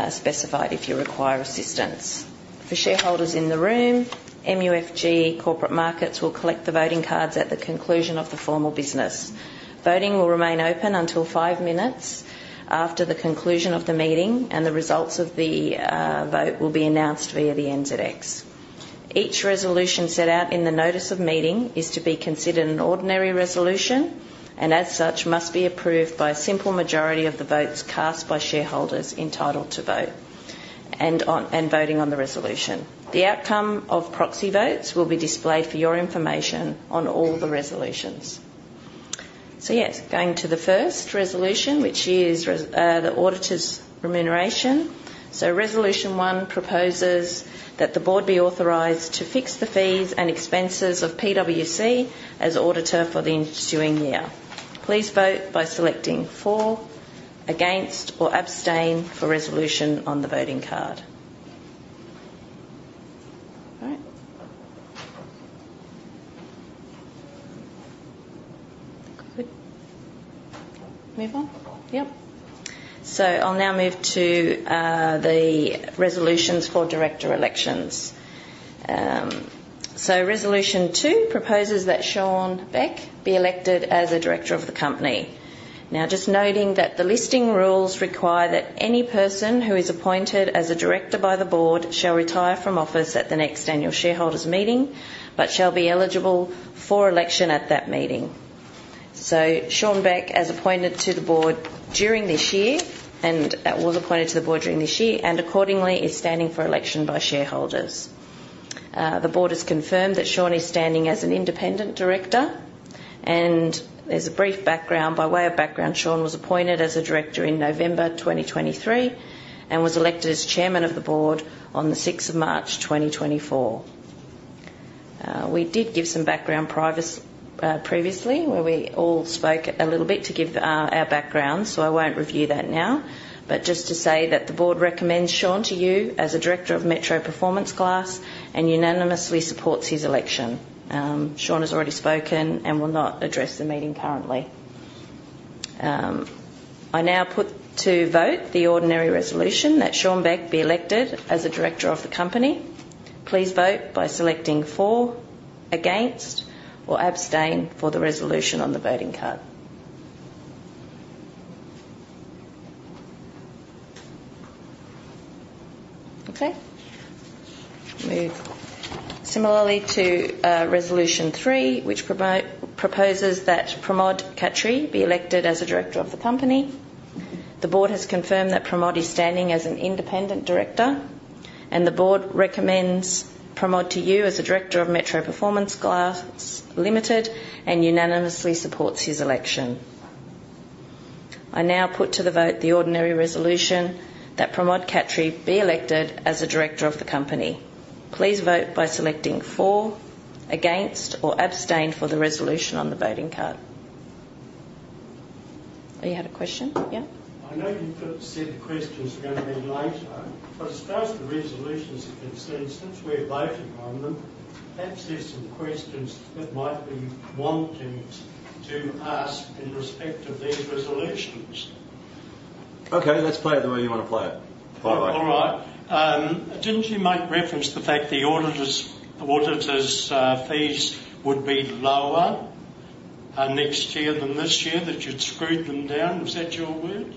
specified if you require assistance. For shareholders in the room, MUFG Corporate Markets will collect the voting cards at the conclusion of the formal business. Voting will remain open until five minutes after the conclusion of the meeting, and the results of the vote will be announced via the NZX. Each resolution set out in the notice of meeting is to be considered an ordinary resolution, and as such, must be approved by a simple majority of the votes cast by shareholders entitled to vote and voting on the resolution. The outcome of proxy votes will be displayed for your information on all the resolutions. Yes, going to the first resolution, which is the auditors' remuneration. So resolution one proposes that the board be authorized to fix the fees and expenses of PwC as auditor for the ensuing year. Please vote by selecting for, against, or abstain for resolution on the voting card. All right. Good. Move on? Yep. So I'll now move to the resolutions for director elections. So resolution two proposes that Shawn Beck be elected as a director of the company. Now, just noting that the listing rules require that any person who is appointed as a director by the board shall retire from office at the next annual shareholders' meeting, but shall be eligible for election at that meeting. So Shawn Beck, as appointed to the board during this year, and accordingly, is standing for election by shareholders. The board has confirmed that Shawn is standing as an independent director, and there's a brief background. By way of background, Shawn was appointed as a director in November 2023 and was elected as chairman of the board on the sixth of March 2024. We did give some background previously, where we all spoke a little bit to give our background, so I won't review that now. But just to say that the board recommends Shawn to you as a director of Metro Performance Glass and unanimously supports his election. Shawn has already spoken and will not address the meeting currently. I now put to vote the ordinary resolution that Shawn Beck be elected as a director of the company. Please vote by selecting for, against, or abstain for the resolution on the voting card. Okay. Move similarly to resolution three, which proposes that Pramod Khatri be elected as a director of the company. The board has confirmed that Pramod is standing as an independent director, and the board recommends Pramod to you as a director of Metro Performance Glass Limited and unanimously supports his election. I now put to the vote the ordinary resolution that Pramod Khatri be elected as a director of the company. Please vote by selecting for, against, or abstain for the resolution on the voting card. Oh, you had a question? Yeah.
I know you've said the questions are going to be later, but as far as the resolutions are concerned, since we're voting on them, perhaps there's some questions that might be wanting to ask in respect of these resolutions.
Okay, let's play it the way you want to play it. Fire away.
All right. Didn't you make reference to the fact the auditors fees would be lower next year than this year, that you'd screwed them down? Was that your word?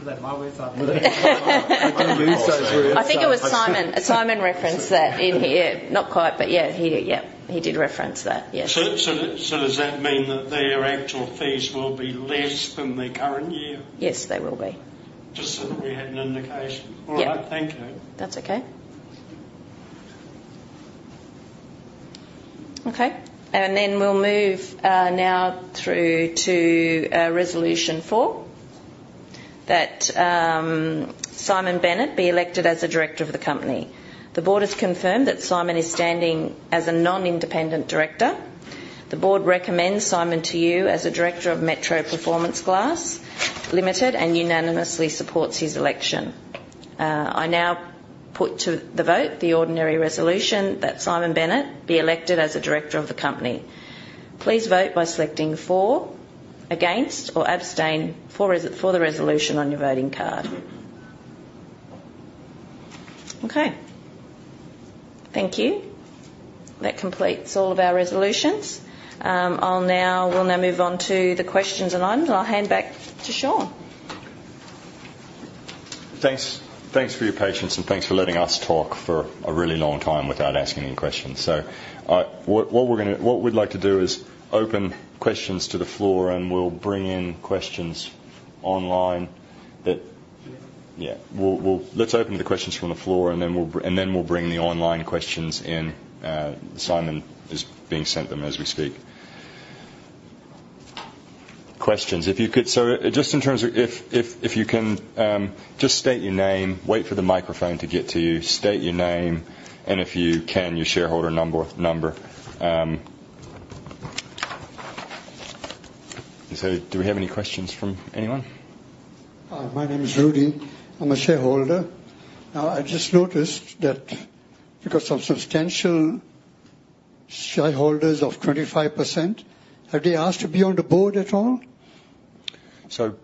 Was that my words or...?
I believe so.
I think it was Simon. Simon referenced that in here. Not quite, but yeah, he did reference that, yes.
Does that mean that their actual fees will be less than the current year?
Yes, they will be.
Just so that we had an indication.
Yeah.
All right. Thank you.
That's okay. Okay, and then we'll move now through to resolution four, that Simon Bennett be elected as a director of the company. The board has confirmed that Simon is standing as a non-independent director. The board recommends Simon to you as a director of Metro Performance Glass Limited and unanimously supports his election. I now put to the vote the ordinary resolution that Simon Bennett be elected as a director of the company. Please vote by selecting for, against, or abstain for the resolution on your voting card. Okay, thank you. That completes all of our resolutions. We'll now move on to the questions and items. I'll hand back to Shawn.
Thanks, thanks for your patience, and thanks for letting us talk for a really long time without asking any questions. So, what we'd like to do is open questions to the floor, and we'll bring in questions online that- Yeah. Yeah, we'll. Let's open the questions from the floor, and then we'll bring the online questions in. Simon is being sent them as we speak. Questions. So just in terms of if you can, just state your name, wait for the microphone to get to you, state your name, and if you can, your shareholder number. So do we have any questions from anyone? My name is Rudy. I'm a shareholder. Now, I just noticed that because of substantial shareholders of 25%, have they asked to be on the board at all? So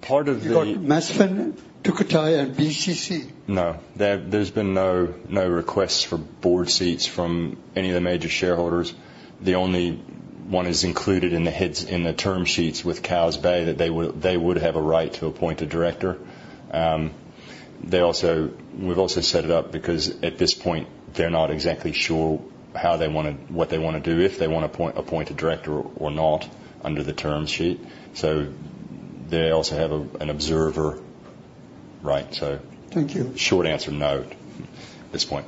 part of the- You got Masfen, Takutai, and BCC. No, there's been no requests for board seats from any of the major shareholders. The only one is included in the heads, in the term sheets with Cowes Bay, that they would have a right to appoint a director. They also. We've also set it up because, at this point, they're not exactly sure how they want to. What they want to do, if they want to appoint a director or not under the term sheet. So they also have an observer, right, so. Thank you. Short answer, no, at this point.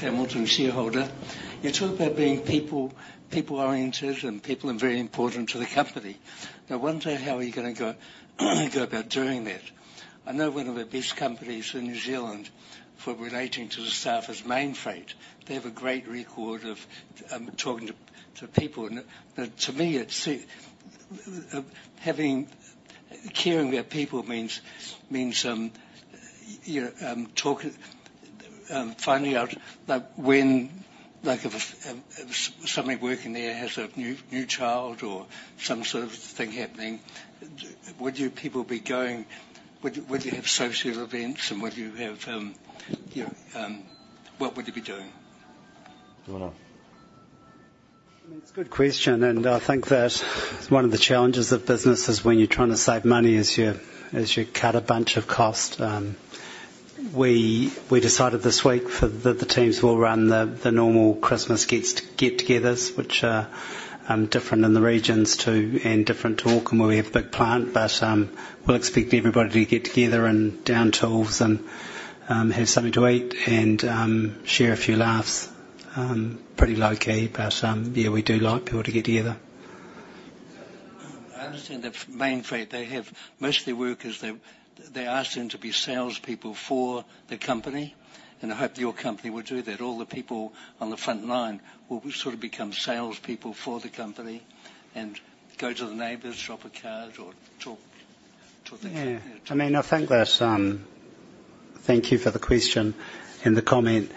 Jim Hamilton, shareholder. You talk about being people-oriented and people are very important to the company. I wonder, how are you going to go about doing that? I know one of the best companies in New Zealand for relating to the staff is Mainfreight. They have a great record of talking to people. And, but to me, it seem having... Caring about people means you know finding out, like, when, like, if somebody working there has a new child or some sort of thing happening, would you people be going-- would you have social events, and would you have you know what would you be doing?
Well...
It's a good question, and I think that one of the challenges of business is when you're trying to save money, is you cut a bunch of costs. We decided this week for the teams will run the normal Christmas get-togethers, which are different in the regions, too, and different to Auckland, where we have a big plant. But we'll expect everybody to get together and down tools and have something to eat and share a few laughs. Pretty low-key, but yeah, we do like people to get together. I understand that Mainfreight, they have most of their workers, they ask them to be salespeople for the company, and I hope your company will do that. All the people on the front line will sort of become salespeople for the company and go to the neighbors, drop a card, or talk to them. Yeah. I mean, I think that. Thank you for the question and the comment.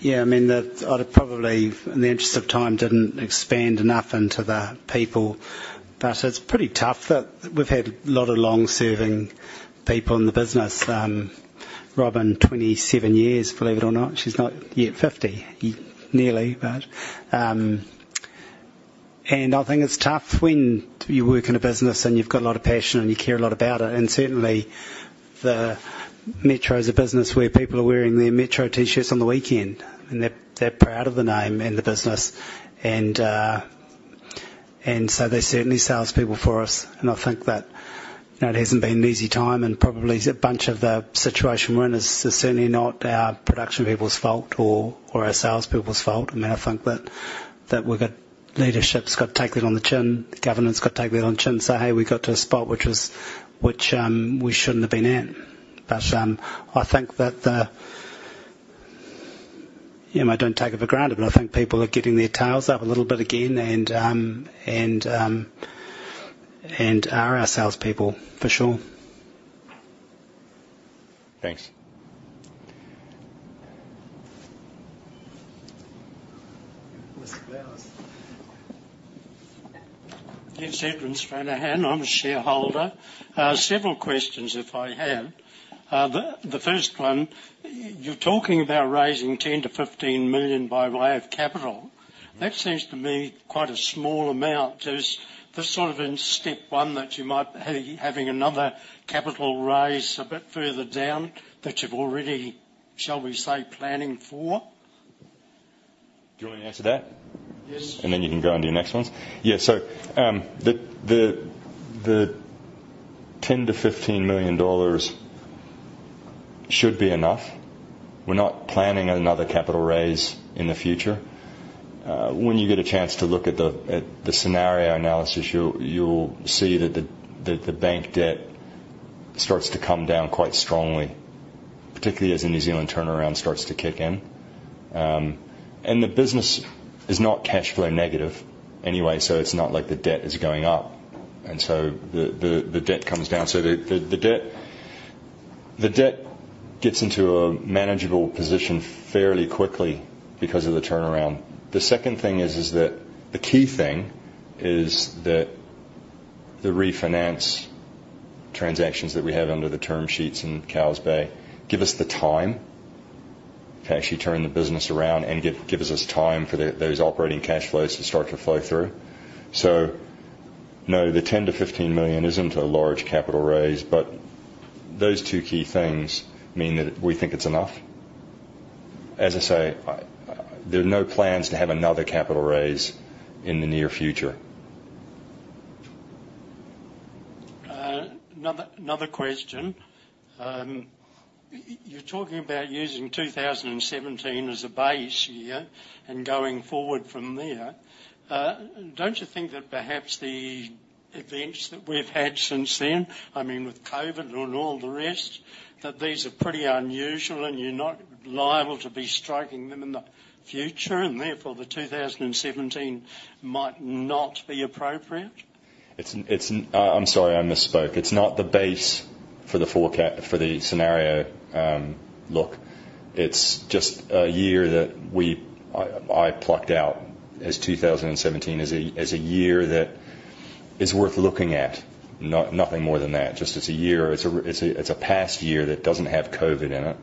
Yeah, I mean, I'd have probably, in the interest of time, didn't expand enough into the people, but it's pretty tough that we've had a lot of long-serving people in the business. Robyn, 27 years, believe it or not. She's not yet 50. Nearly, but, and I think it's tough when you work in a business, and you've got a lot of passion, and you care a lot about it. And certainly, the metro is a business where people are wearing their metro T-shirts on the weekend, and they're proud of the name and the business. So they're certainly salespeople for us, and I think that hasn't been an easy time, and probably a bunch of the situation we're in is certainly not our production people's fault or our salespeople's fault. I mean, I think that we've got leadership's got to take it on the chin, the governance got to take it on the chin and say, "Hey, we got to a spot which was, we shouldn't have been in." But I think that the... Yeah, I don't take it for granted, but I think people are getting their tails up a little bit again and are our salespeople, for sure.
Thanks.
Mr. Powers.
James Edward Shanahan. I'm a shareholder. Several questions, if I have. The first one, you're talking about raising 10-15 million by way of capital. Mm-hmm. That seems to me quite a small amount. Is this sort of in step one, that you might be having another capital raise a bit further down, that you're already, shall we say, planning for?
Do you want me to answer that? Yes. Then you can go on to your next ones. Yeah, so the 10-15 million dollars should be enough. We're not planning another capital raise in the future. When you get a chance to look at the scenario analysis, you'll see that the bank debt starts to come down quite strongly, particularly as the New Zealand turnaround starts to kick in. The business is not cash flow negative anyway, so it's not like the debt is going up, and so the debt comes down. The debt gets into a manageable position fairly quickly because of the turnaround. The second thing is that the key thing is that the refinance transactions that we have under the term sheets in Cowes Bay give us the time to actually turn the business around and gives us time for those operating cash flows to start to flow through. So no, the 10-15 million isn't a large capital raise, but those two key things mean that we think it's enough. As I say, there are no plans to have another capital raise in the near future.
Another question. You're talking about using 2017 as a base year and going forward from there. Don't you think that perhaps the events that we've had since then, I mean, with COVID and all the rest, that these are pretty unusual, and you're not liable to be striking them in the future, and therefore, the 2017 might not be appropriate?
I'm sorry, I misspoke. It's not the base for the forecast for the scenario, look. It's just a year that I plucked out as two thousand and seventeen, as a year that is worth looking at. Nothing more than that. Just it's a year, it's a past year that doesn't have COVID in it,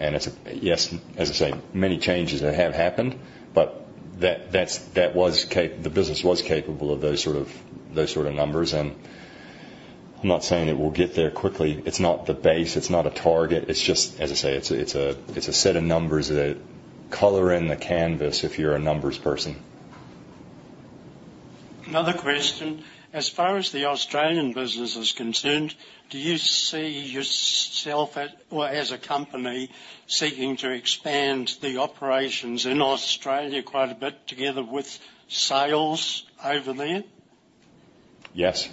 and it's a... Yes, as I say, many changes that have happened, but that's, the business was capable of those sort of numbers, and I'm not saying it will get there quickly. It's not the base, it's not a target. It's just, as I say, it's a set of numbers that color in the canvas if you're a numbers person.
Another question. As far as the Australian business is concerned, do you see yourself at, or as a company, seeking to expand the operations in Australia quite a bit together with sales over there?
Yes.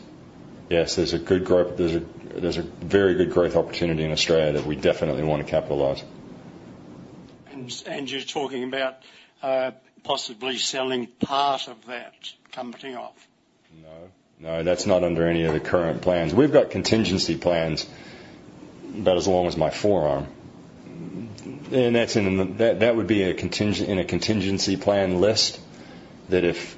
Yes, there's a very good growth opportunity in Australia that we definitely want to capitalize.
You're talking about possibly selling part of that company off?
No. No, that's not under any of the current plans. We've got contingency plans about as long as my forearm, and that's in the... That would be in a contingency plan list, that if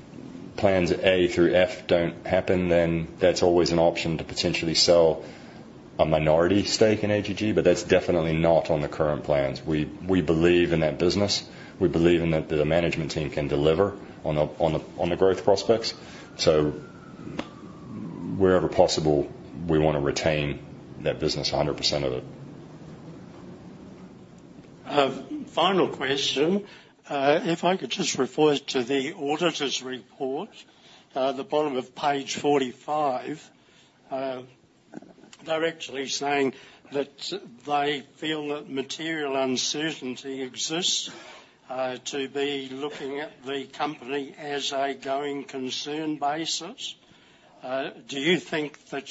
plans A through F don't happen, then that's always an option to potentially sell a minority stake in AGG, but that's definitely not on the current plans. We believe in that business. We believe in that the management team can deliver on the growth prospects. So wherever possible, we want to retain that business, 100% of it.
Final question. If I could just refer to the auditor's report, the bottom of page 45. They're actually saying that they feel that material uncertainty exists to be looking at the company as a going concern basis. Do you think that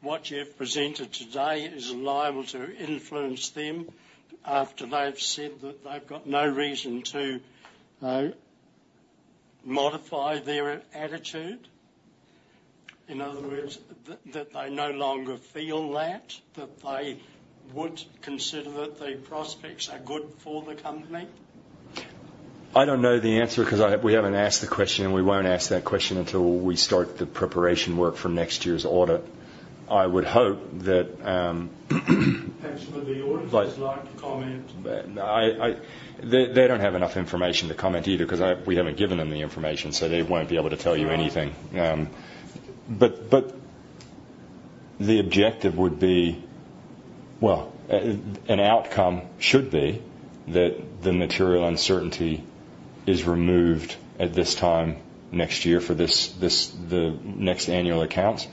what you have presented today is liable to influence them after they've said that they've got no reason to modify their attitude? In other words, that they no longer feel that they would consider that the prospects are good for the company?
I don't know the answer, 'cause we haven't asked the question, and we won't ask that question until we start the preparation work for next year's audit. I would hope that,
Perhaps some of the auditors would like to comment.
But I. They don't have enough information to comment either, 'cause I, we haven't given them the information, so they won't be able to tell you anything. Uh. But the objective would be. Well, an outcome should be that the material uncertainty is removed at this time next year for this, the next annual accounts.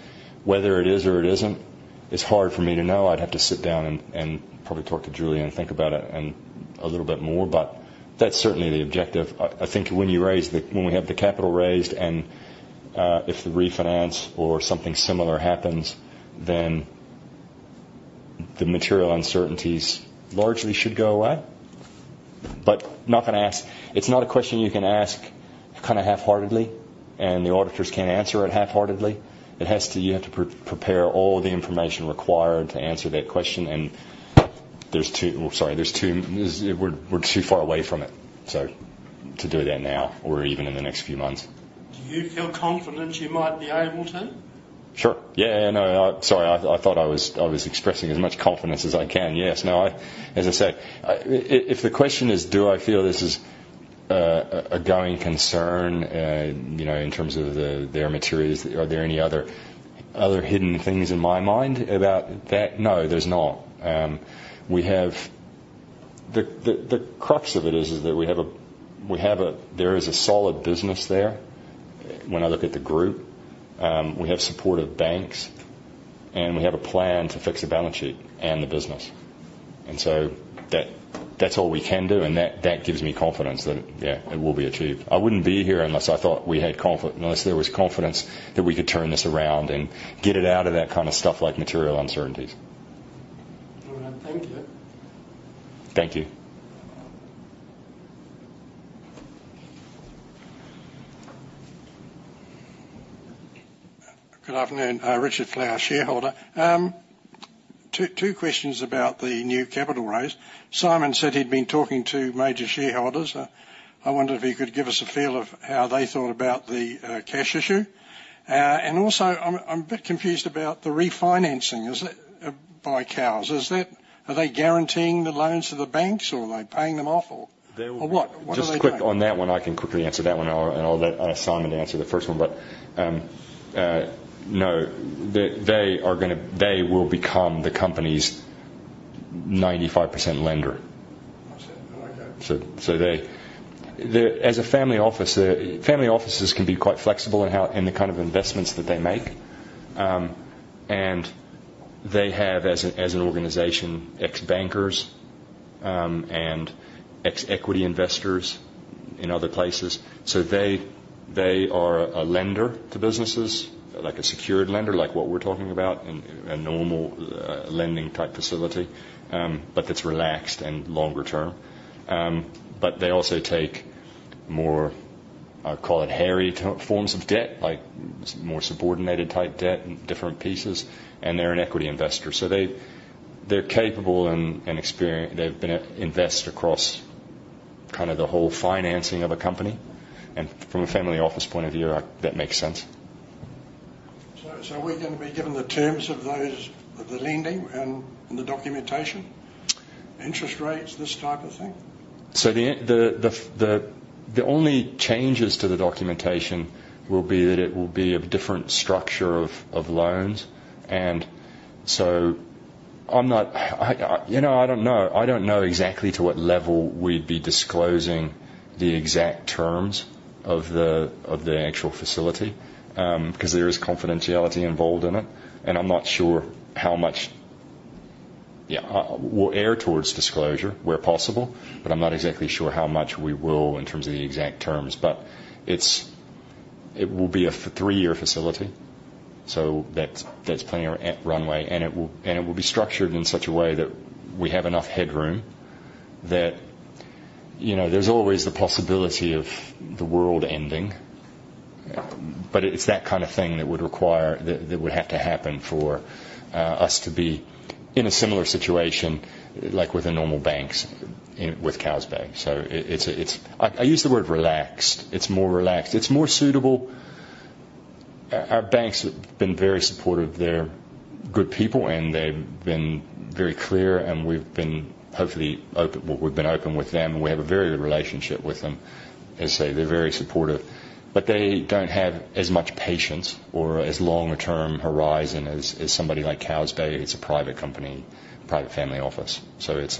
Whether it is or it isn't, it's hard for me to know. I'd have to sit down and probably talk to Julia and think about it and a little bit more, but that's certainly the objective. I think when we have the capital raised and if the refinance or something similar happens, then the material uncertainties largely should go away. It's not a question you can ask kind of half-heartedly, and the auditors can't answer it half-heartedly. It has to. You have to prepare all the information required to answer that question, and there's two. Sorry, there's two. We're too far away from it, so to do that now or even in the next few months.
Do you feel confident you might be able to?
Sure. Yeah, no, sorry, I thought I was expressing as much confidence as I can. Yes. No, as I say, if the question is, do I feel this is a going concern, you know, are there any other hidden things in my mind about that? No, there's not. We have the crux of it is that there is a solid business there when I look at the group. We have supportive banks, and we have a plan to fix the balance sheet and the business. And so that's all we can do, and that gives me confidence that, yeah, it will be achieved. I wouldn't be here unless there was confidence that we could turn this around and get it out of that kind of stuff like material uncertainties.
All right. Thank you.
Thank you. Good afternoon. Richard Flower, shareholder. Two questions about the new capital raise. Simon said he'd been talking to major shareholders. I wonder if he could give us a feel of how they thought about the cash issue. And also, I'm a bit confused about the refinancing. Is it by Cowes? Is that, are they guaranteeing the loans to the banks, or are they paying them off, or- They will- Or what? What are they doing? Just quick on that one, I can quickly answer that one, and I'll let Simon answer the first one. But no, they will become the company's 95% lender. I see. Okay. They, as a family office, family offices can be quite flexible in how in the kind of investments that they make. And they have, as an organization, ex-bankers and ex-equity investors in other places. So they are a lender to businesses, like a secured lender, like what we're talking about, and a normal lending type facility, but that's relaxed and longer term. But they also take more. I call it hairier forms of debt, like more subordinated type debt and different pieces, and they're an equity investor. So they're capable and experienced. They've been an investor across kind of the whole financing of a company, and from a family office point of view, that makes sense. Are we going to be given the terms of those, of the lending and the documentation, interest rates, this type of thing? The only changes to the documentation will be that it will be of different structure of loans. I'm not, you know, I don't know. I don't know exactly to what level we'd be disclosing the exact terms of the actual facility, because there is confidentiality involved in it, and I'm not sure how much... Yeah, we'll err towards disclosure where possible, but I'm not exactly sure how much we will in terms of the exact terms, but it will be a three-year facility, so that's plenty of runway, and it will be structured in such a way that we have enough headroom that, you know, there's always the possibility of the world ending, but it's that kind of thing that would require that that would have to happen for us to be in a similar situation, like with the normal banks, and with Cowes Bay. So it's a it's I use the word relaxed. It's more relaxed. It's more suitable. Our banks have been very supportive. They're good people, and they've been very clear, and we've been open with them, and we have a very good relationship with them. As I say, they're very supportive, but they don't have as much patience or as long-term a horizon as somebody like Cowes Bay. It's a private company, private family office, so it's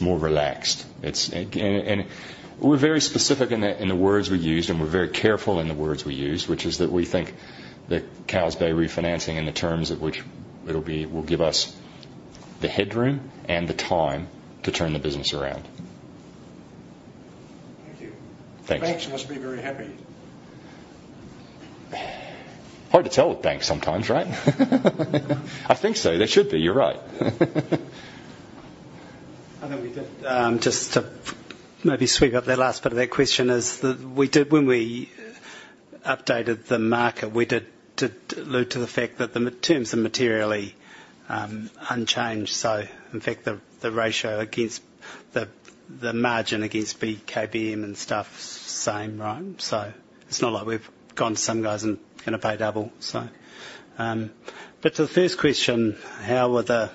more relaxed. And we're very specific in the words we use, and we're very careful in the words we use, which is that we think the Cowes Bay refinancing and the terms at which it'll be will give us the headroom and the time to turn the business around. Thank you. Thanks. The banks must be very happy. Hard to tell with banks sometimes, right? I think so. They should be, you're right.
I think we did, just to maybe sweep up that last bit of that question is that we did when we updated the market, we did allude to the fact that the terms are materially unchanged. So in fact, the ratio against the margin against BKBM and stuff is the same, right? So, but to the first question, how were the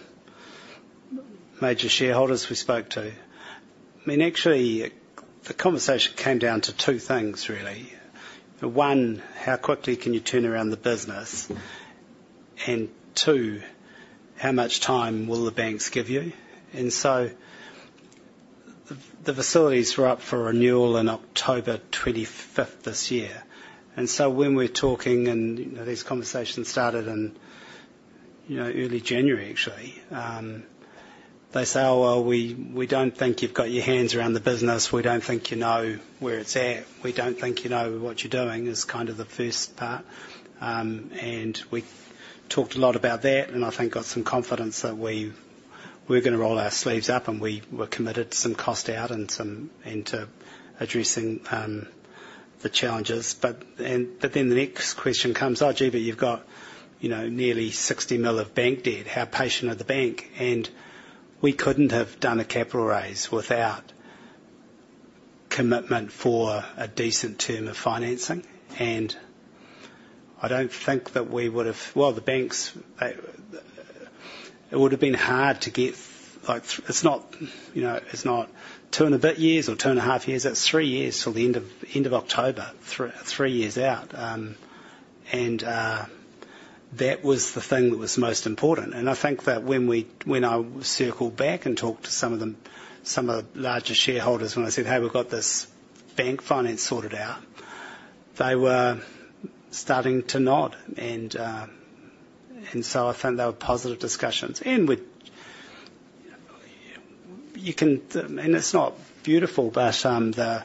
major shareholders we spoke to? I mean, actually, the conversation came down to two things, really. One, how quickly can you turn around the business? And two, how much time will the banks give you? And so the facilities were up for renewal on October twenty-fifth, this year. And so when we're talking, and, you know, these conversations started in, you know, early January, actually. They say, "Oh, well, we don't think you've got your hands around the business. We don't think you know where it's at. We don't think you know what you're doing," is kind of the first part. And we talked a lot about that, and I think got some confidence that we, we're gonna roll our sleeves up, and we were committed to some cost out and to addressing the challenges. But then the next question comes, "Oh, Gee, but you've got, you know, nearly 60 million of bank debt. How patient are the bank?" And we couldn't have done a capital raise without commitment for a decent term of financing. And I don't think that we would have... The banks, it would have been hard to get, like, it's not, you know, it's not two and a bit years or two and a half years. It's three years till the end of October, three years out. And that was the thing that was most important. And I think that when I circled back and talked to some of the larger shareholders, when I said, "Hey, we've got this bank finance sorted out," they were starting to nod, and so I think they were positive discussions. And with... You can, and it's not beautiful, but, the.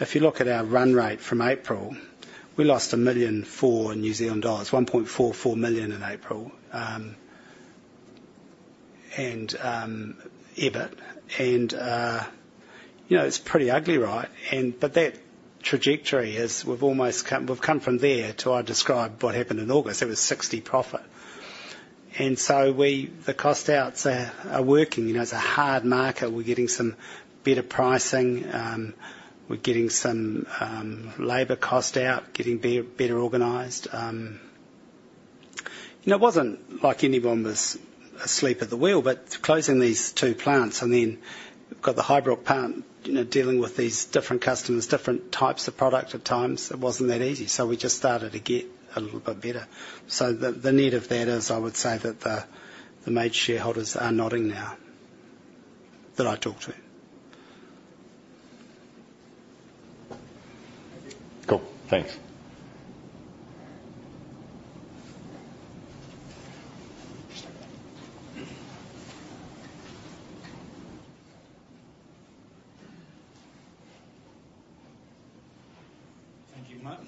If you look at our run rate from April, we lost 1.4 million, 1.44 million in April, and EBIT, and you know, it's pretty ugly, right? That trajectory is. We've come from there to what I described, what happened in August. It was 60 profit, and so the cost outs are working. You know, it's a hard market. We're getting some better pricing. We're getting some labor cost out, getting better organized. You know, it wasn't like anyone was asleep at the wheel, but closing these two plants, and then we've got the hybrid plant, you know, dealing with these different customers, different types of product at times, it wasn't that easy, so we just started to get a little bit better, so the net of that is, I would say that the major shareholders are nodding now that I talked to.
Thank you.
Cool. Thanks.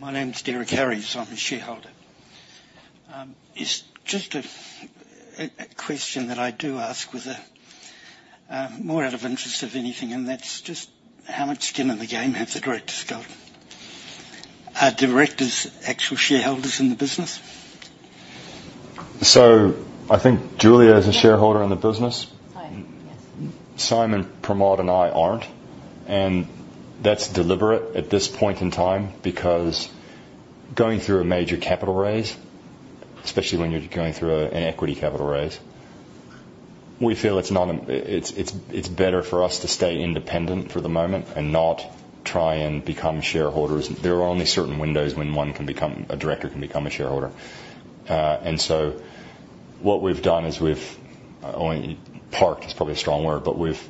Thank you. My name is Derek Harris. I'm a shareholder. It's just a question that I do ask with a more out of interest than anything, and that's just how much skin in the game have the directors got? Are directors actual shareholders in the business?
So I think Julia- Yes. - is a shareholder in the business.
I am, yes.
Simon, Pramod, and I aren't, and that's deliberate at this point in time, because going through a major capital raise, especially when you're going through an equity capital raise, we feel it's better for us to stay independent for the moment and not try and become shareholders. There are only certain windows when a director can become a shareholder. And so what we've done is we've only parked is probably a strong word, but we've.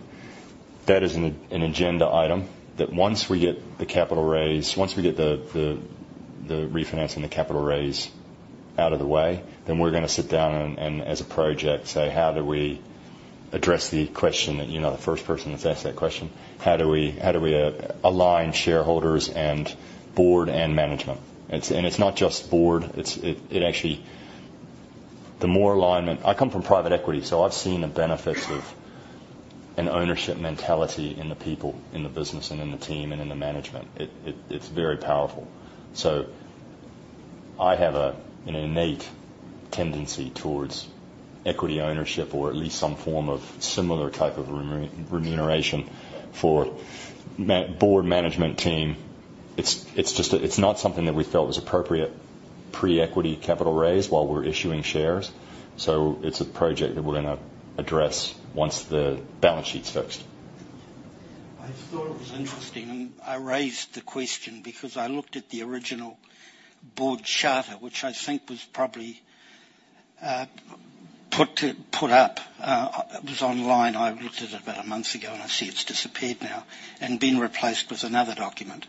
That is an agenda item, that once we get the capital raise, once we get the refinancing the capital raise out of the way, then we're gonna sit down and as a project, say: How do we address the question? That you're not the first person that's asked that question. How do we align shareholders and board and management? It's not just board. It's actually the more alignment. I come from private equity, so I've seen the benefits of an ownership mentality in the people, in the business, and in the team, and in the management. It's very powerful. So I have an innate tendency towards equity ownership or at least some form of similar type of remuneration for management board management team. It's just not something that we felt was appropriate pre-equity capital raise while we're issuing shares. So it's a project that we're gonna address once the balance sheet's fixed.
I just thought it was interesting, and I raised the question because I looked at the original board charter, which I think was probably put up, it was online. I looked at it about a month ago, and I see it's disappeared now and been replaced with another document.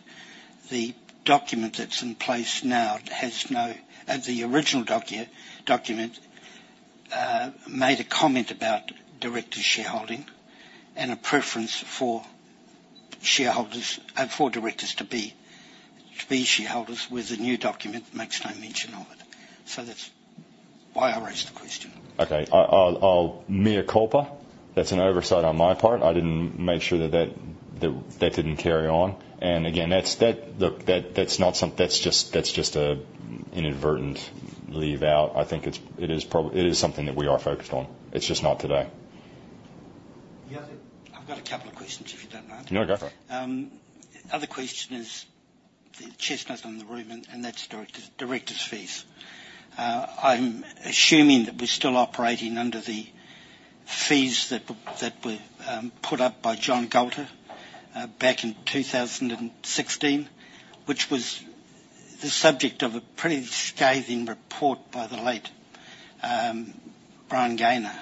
The document that's in place now has no, and the original document made a comment about director shareholding and a preference for shareholders, for directors to be shareholders, where the new document makes no mention of it. So that's why I raised the question.
Okay. I'll mea culpa, that's an oversight on my part. I didn't make sure that that didn't carry on. And again, that's that. Look, that's not something. That's just an inadvertent leave out. I think it is probably something that we are focused on. It's just not today.
Yeah. I've got a couple of questions, if you don't mind?
No, go for it.
Other question is, the chestnut in the room, and that's directors' fees. I'm assuming that we're still operating under the fees that were put up by John Goulter back in 2016, which was the subject of a pretty scathing report by the late Brian Gaynor.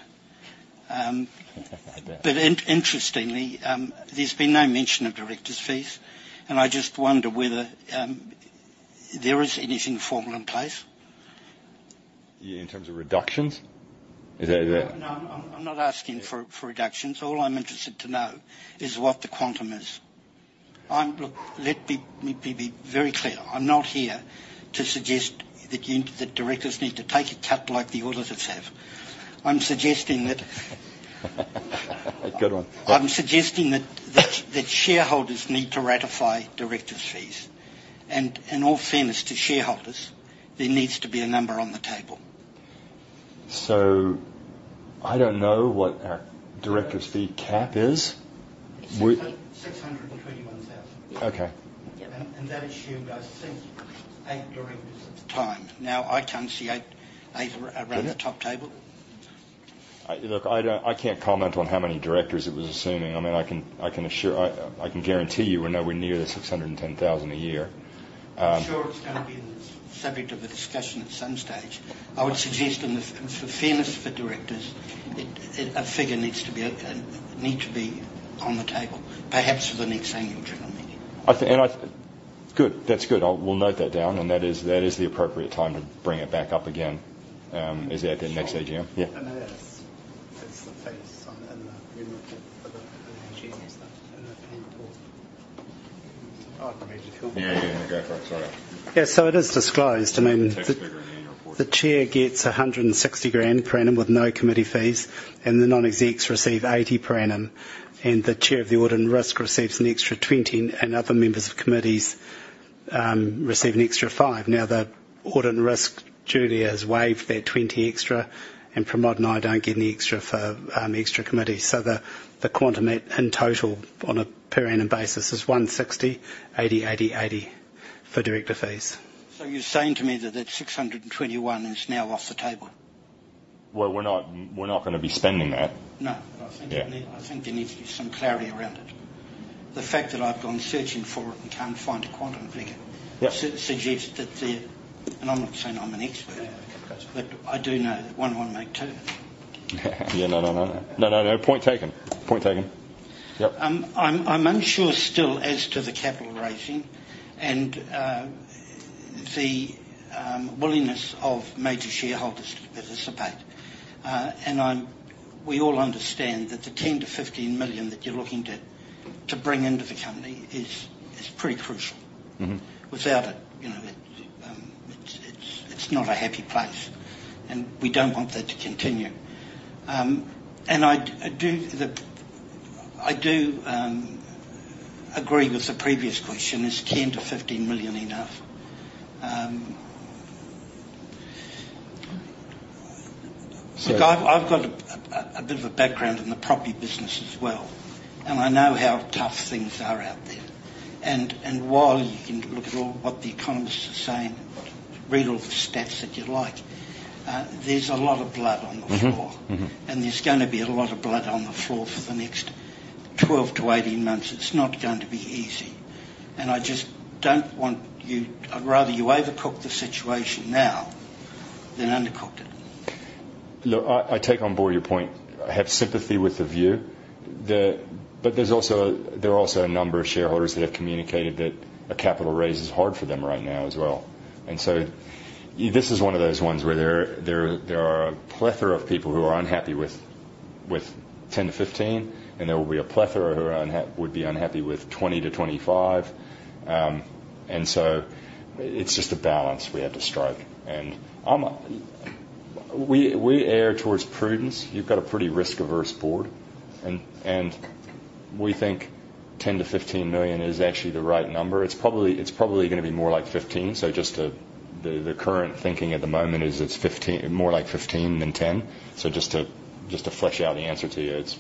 But interestingly, there's been no mention of directors' fees, and I just wonder whether there is anything formal in place?
Yeah, in terms of reductions? Is that-
No, I'm not asking for reductions. All I'm interested to know is what the quantum is. I'm. Look, let me be very clear. I'm not here to suggest that you, the directors need to take a cut like the auditors have. I'm suggesting that-
Good one.
I'm suggesting that shareholders need to ratify directors' fees, and, in all fairness to shareholders, there needs to be a number on the table.
So I don't know what our directors' fee cap is. We-
621,000. Yeah.
Okay. Yeah.
That assumed, I think, eight directors at the time. Now, I can't see eight around-
Is it? the top table. Look, I don't... I can't comment on how many directors it was assuming. I mean, I can assure you, I can guarantee you we're nowhere near the six hundred and ten thousand a year.
I'm sure it's gonna be the subject of a discussion at some stage. I would suggest, for fairness for directors, a figure needs to be on the table, perhaps for the next annual general meeting.
Good. That's good. We'll note that down, and that is the appropriate time to bring it back up again, is at the next AGM. Sure. Yeah. That's it. It's the phase I for the genius that came for.
I'd rather just help.
Yeah, yeah. Go for it. Sorry.
Yeah, so it is disclosed. I mean-
It's stated in the annual report. The Chair gets 160,000 per annum with no committee fees, and the non-execs receive 80,000 per annum, and the Chair of the audit and risk receives an extra 20,000, and other members of committees receive an extra 5,000. Now, the audit and risk committee has waived that 20,000 extra, and Pramod and I don't get any extra for extra committee. So the quantum, in total, on a per annum basis, is 160,000, 80,000, 80,000, 80,000 for director fees.
So you're saying to me that that six hundred and twenty-one is now off the table?
We're not, we're not gonna be spending that.
No.
Yeah.
I think you need to give some clarity around it. The fact that I've gone searching for it and can't find a quantum figure-
Yeah
suggest that there... And I'm not saying I'm an expert. Yeah, okay. But I do know that one and one make two.
Yeah. No, no, no. No, no, no. Point taken. Point taken. Yep.
I'm unsure still as to the capital raising and the willingness of major shareholders to participate. We all understand that the 10-15 million that you're looking to bring into the company is pretty crucial.
Mm-hmm.
Without it, you know, it's not a happy place, and we don't want that to continue. And I do agree with the previous question, is ten to fifteen million enough? Look, I've got a bit of a background in the property business as well, and I know how tough things are out there. And while you can look at all what the economists are saying, read all the stats that you like, there's a lot of blood on the floor.
Mm-hmm. Mm-hmm.
There's gonna be a lot of blood on the floor for the next twelve to eighteen months. It's not going to be easy. I just don't want you. I'd rather you overcook the situation now than undercook it.
Look, I take on board your point. I have sympathy with the view. But there's also, there are also a number of shareholders that have communicated that a capital raise is hard for them right now as well. And so this is one of those ones where there are a plethora of people who are unhappy with 10-15, and there will be a plethora who would be unhappy with 20-25. And so it's just a balance we have to strike. We err towards prudence. You've got a pretty risk-averse board, and we think 10-15 million is actually the right number. It's probably gonna be more like 15, the current thinking at the moment is it's 15, more like 15 than 10. Just to flesh out the answer to you, it's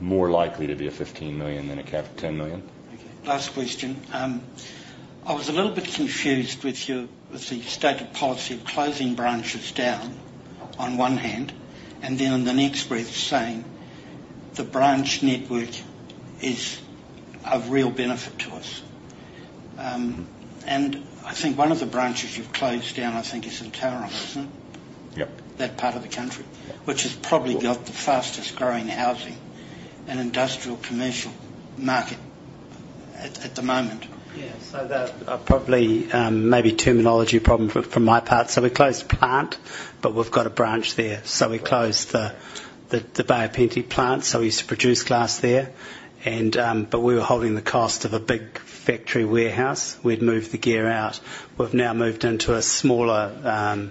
more likely to be 15 million than a cap of 10 million.
Okay. Last question. I was a little bit confused with the stated policy of closing branches down on one hand, and then on the next breath, saying, "The branch network is of real benefit to us." And I think one of the branches you've closed down, I think, is in Tauranga, isn't it? Yep, that part of the country, which has probably got the fastest growing housing and industrial commercial market at the moment.
Yes, so that probably maybe terminology problem from my part. So we closed the plant, but we've got a branch there. So we closed the Bay of Plenty plant, so we used to produce glass there, and but we were holding the cost of a big factory warehouse. We'd moved the gear out. We've now moved into a smaller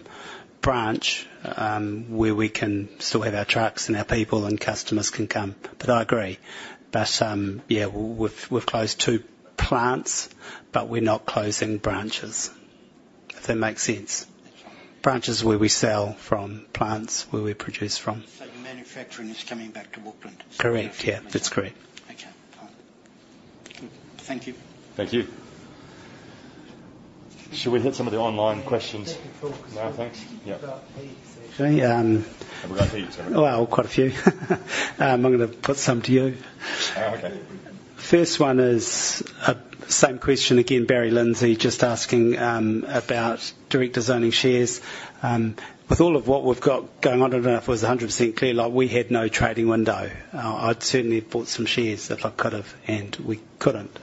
branch, where we can still have our trucks and our people and customers can come. But I agree. But yeah, we've closed two plants, but we're not closing branches, if that makes sense.
That's right.
Branches where we sell from, plants where we produce from.
So the manufacturing is coming back to Auckland?
Correct. Yeah, that's correct.
Okay, fine. Thank you.
Thank you. Should we hit some of the online questions? Yeah. No, thanks? Yeah.
Should I,
Have we got a few, Terry?
Quite a few. I'm gonna put some to you.
Oh, okay.
First one is, same question again, Barry Lindsay, just asking, about directors owning shares. With all of what we've got going on, I don't know if it was 100% clear, like, we had no trading window. I'd certainly have bought some shares if I could've, and we couldn't.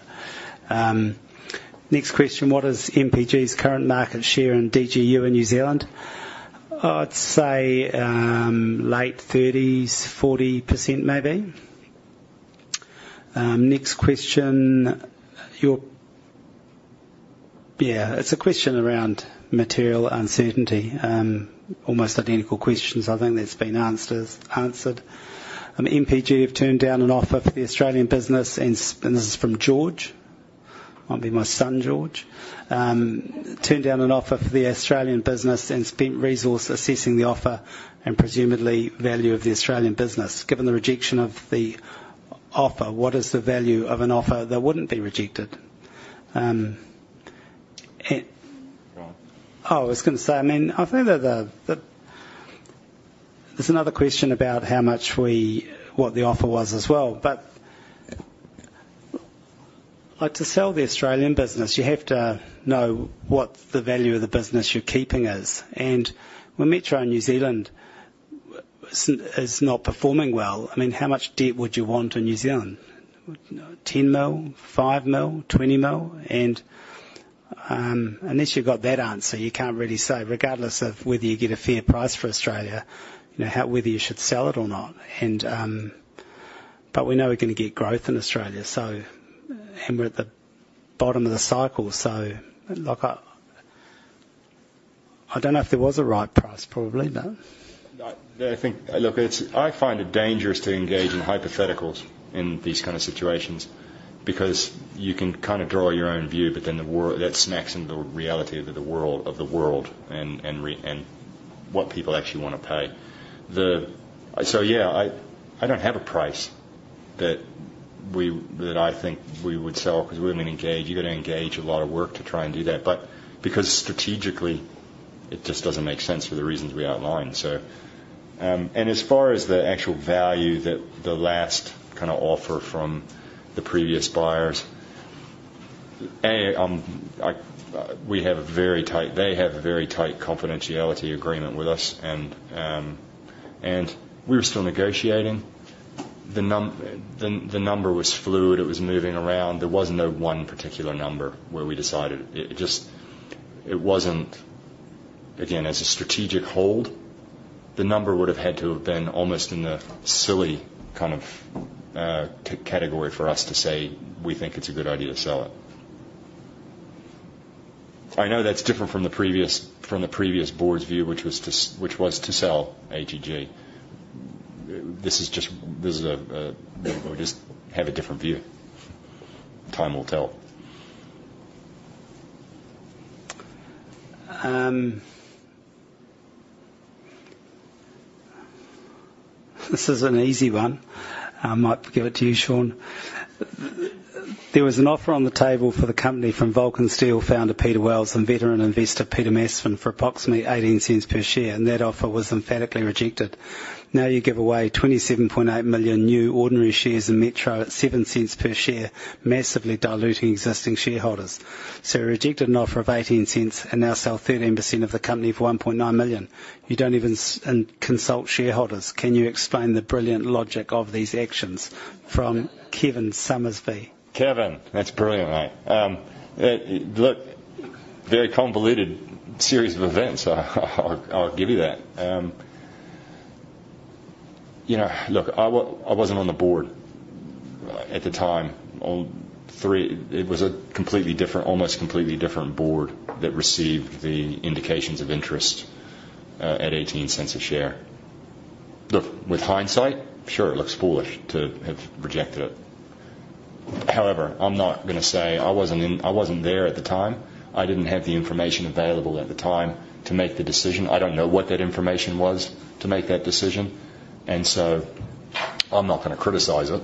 Next question: What is MPG's current market share in DGU in New Zealand? I'd say, late thirties, 40%, maybe. Next question. Your... Yeah, it's a question around material uncertainty, almost identical questions. I think that's been answered. MPG have turned down an offer for the Australian business, and, and this is from George. Might be my son, George. Turned down an offer for the Australian business and spent resource assessing the offer and presumably value of the Australian business. Given the rejection of the offer, what is the value of an offer that wouldn't be rejected?
Go on.
Oh, I was gonna say, I mean, I think that. There's another question about how much we, what the offer was as well. But, like, to sell the Australian business, you have to know what the value of the business you're keeping is. And when Metro in New Zealand is not performing well, I mean, how much debt would you want in New Zealand? 10 million, 5 million, 20 million? And unless you've got that answer, you can't really say, regardless of whether you get a fair price for Australia, you know, how whether you should sell it or not. And but we know we're gonna get growth in Australia, so. And we're at the bottom of the cycle, so look, I don't know if there was a right price, probably no.
I think, look, it's dangerous to engage in hypotheticals in these kind of situations because you can kind of draw your own view, but then that smacks into the reality of the world, and what people actually wanna pay. So, yeah, I don't have a price that I think we would sell, 'cause we haven't engaged. You've got to engage a lot of work to try and do that, but because strategically, it just doesn't make sense for the reasons we outlined, so. And as far as the actual value that the last kind of offer from the previous buyers, we have a very tight confidentiality agreement with us, and they have a very tight confidentiality agreement with us, and we were still negotiating. The number was fluid, it was moving around. There was no one particular number where we decided. It just, it wasn't. Again, as a strategic hold, the number would have had to have been almost in the silly kind of category for us to say, "We think it's a good idea to sell it." I know that's different from the previous board's view, which was to sell AGG. This is just, we just have a different view. Time will tell.
This is an easy one. I might give it to you, Shawn. There was an offer on the table for the company from Vulcan Steel founder Peter Wells and veteran investor Peter Masfen for approximately 0.18 per share, and that offer was emphatically rejected. Now, you give away 27.8 million new ordinary shares in Metro at 0.07 per share, massively diluting existing shareholders. So you rejected an offer of 18 cents and now sell 13% of the company for 1.9 million. You don't even consult shareholders. Can you explain the brilliant logic of these actions? From Kevin Summersby.
Kevin, that's brilliant, mate. Look, very convoluted series of events. I'll give you that. You know, look, I wasn't on the board at the time. All three... It was a completely different, almost completely different board that received the indications of interest at 0.18 a share. Look, with hindsight, sure, it looks foolish to have rejected it. However, I'm not gonna say... I wasn't in, I wasn't there at the time. I didn't have the information available at the time to make the decision. I don't know what that information was to make that decision, and so I'm not gonna criticize it.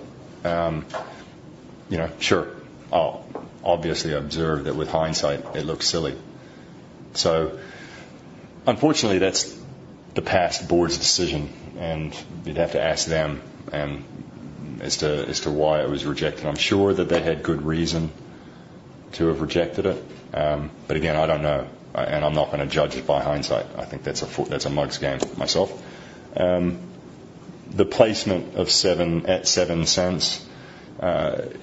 You know, sure, I'll obviously observe that with hindsight, it looks silly. Unfortunately, that's the past board's decision, and you'd have to ask them as to why it was rejected. I'm sure that they had good reason to have rejected it, but again, I don't know, and I'm not gonna judge it by hindsight. I think that's a mug's game myself. The placement at 0.07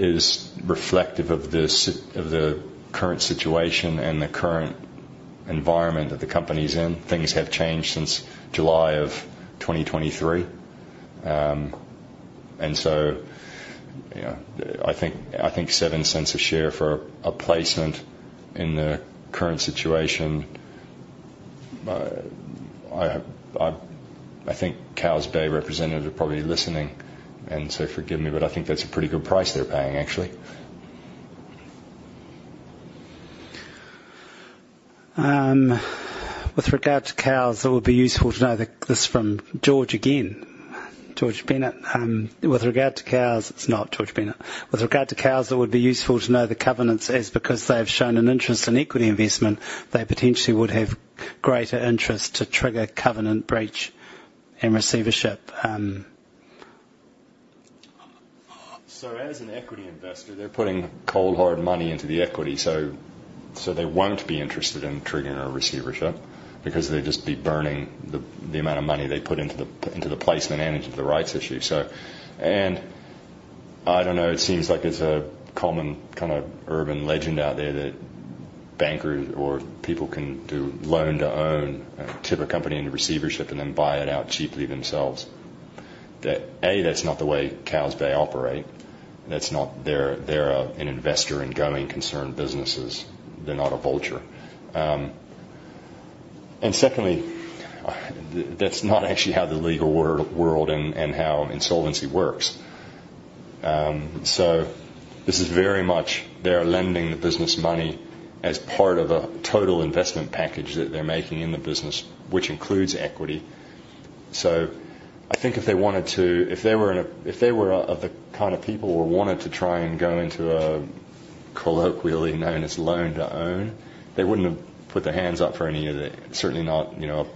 is reflective of the current situation and the current environment that the company's in. Things have changed since July of twenty twenty-three, and so, you know, I think 0.07 a share for a placement in the current situation. I think Cowes Bay representatives are probably listening, and so forgive me, but I think that's a pretty good price they're paying, actually.
With regard to Cowes, it would be useful to know that this from George again, George Bennett. With regard to Cowes. It's not George Bennett. With regard to Cowes, it would be useful to know the covenants, as because they have shown an interest in equity investment, they potentially would have greater interest to trigger covenant breach and receivership.
So as an equity investor, they're putting cold, hard money into the equity, so they won't be interested in triggering a receivership because they'd just be burning the amount of money they put into the placement and into the rights issue. So, and I don't know, it seems like it's a common kind of urban legend out there that bankers or people can do loan to own, tip a company into receivership and then buy it out cheaply themselves. That, A, that's not the way Cowes Bay operate. That's not their... They're an investor in growing concerned businesses. They're not a vulture. And secondly, that's not actually how the legal world and how insolvency works. So this is very much, they are lending the business money as part of a total investment package that they're making in the business, which includes equity. So I think if they wanted to, if they were of the kind of people who wanted to try and go into a colloquially known as loan to own, they wouldn't have put their hands up for any of the, certainly not, you know,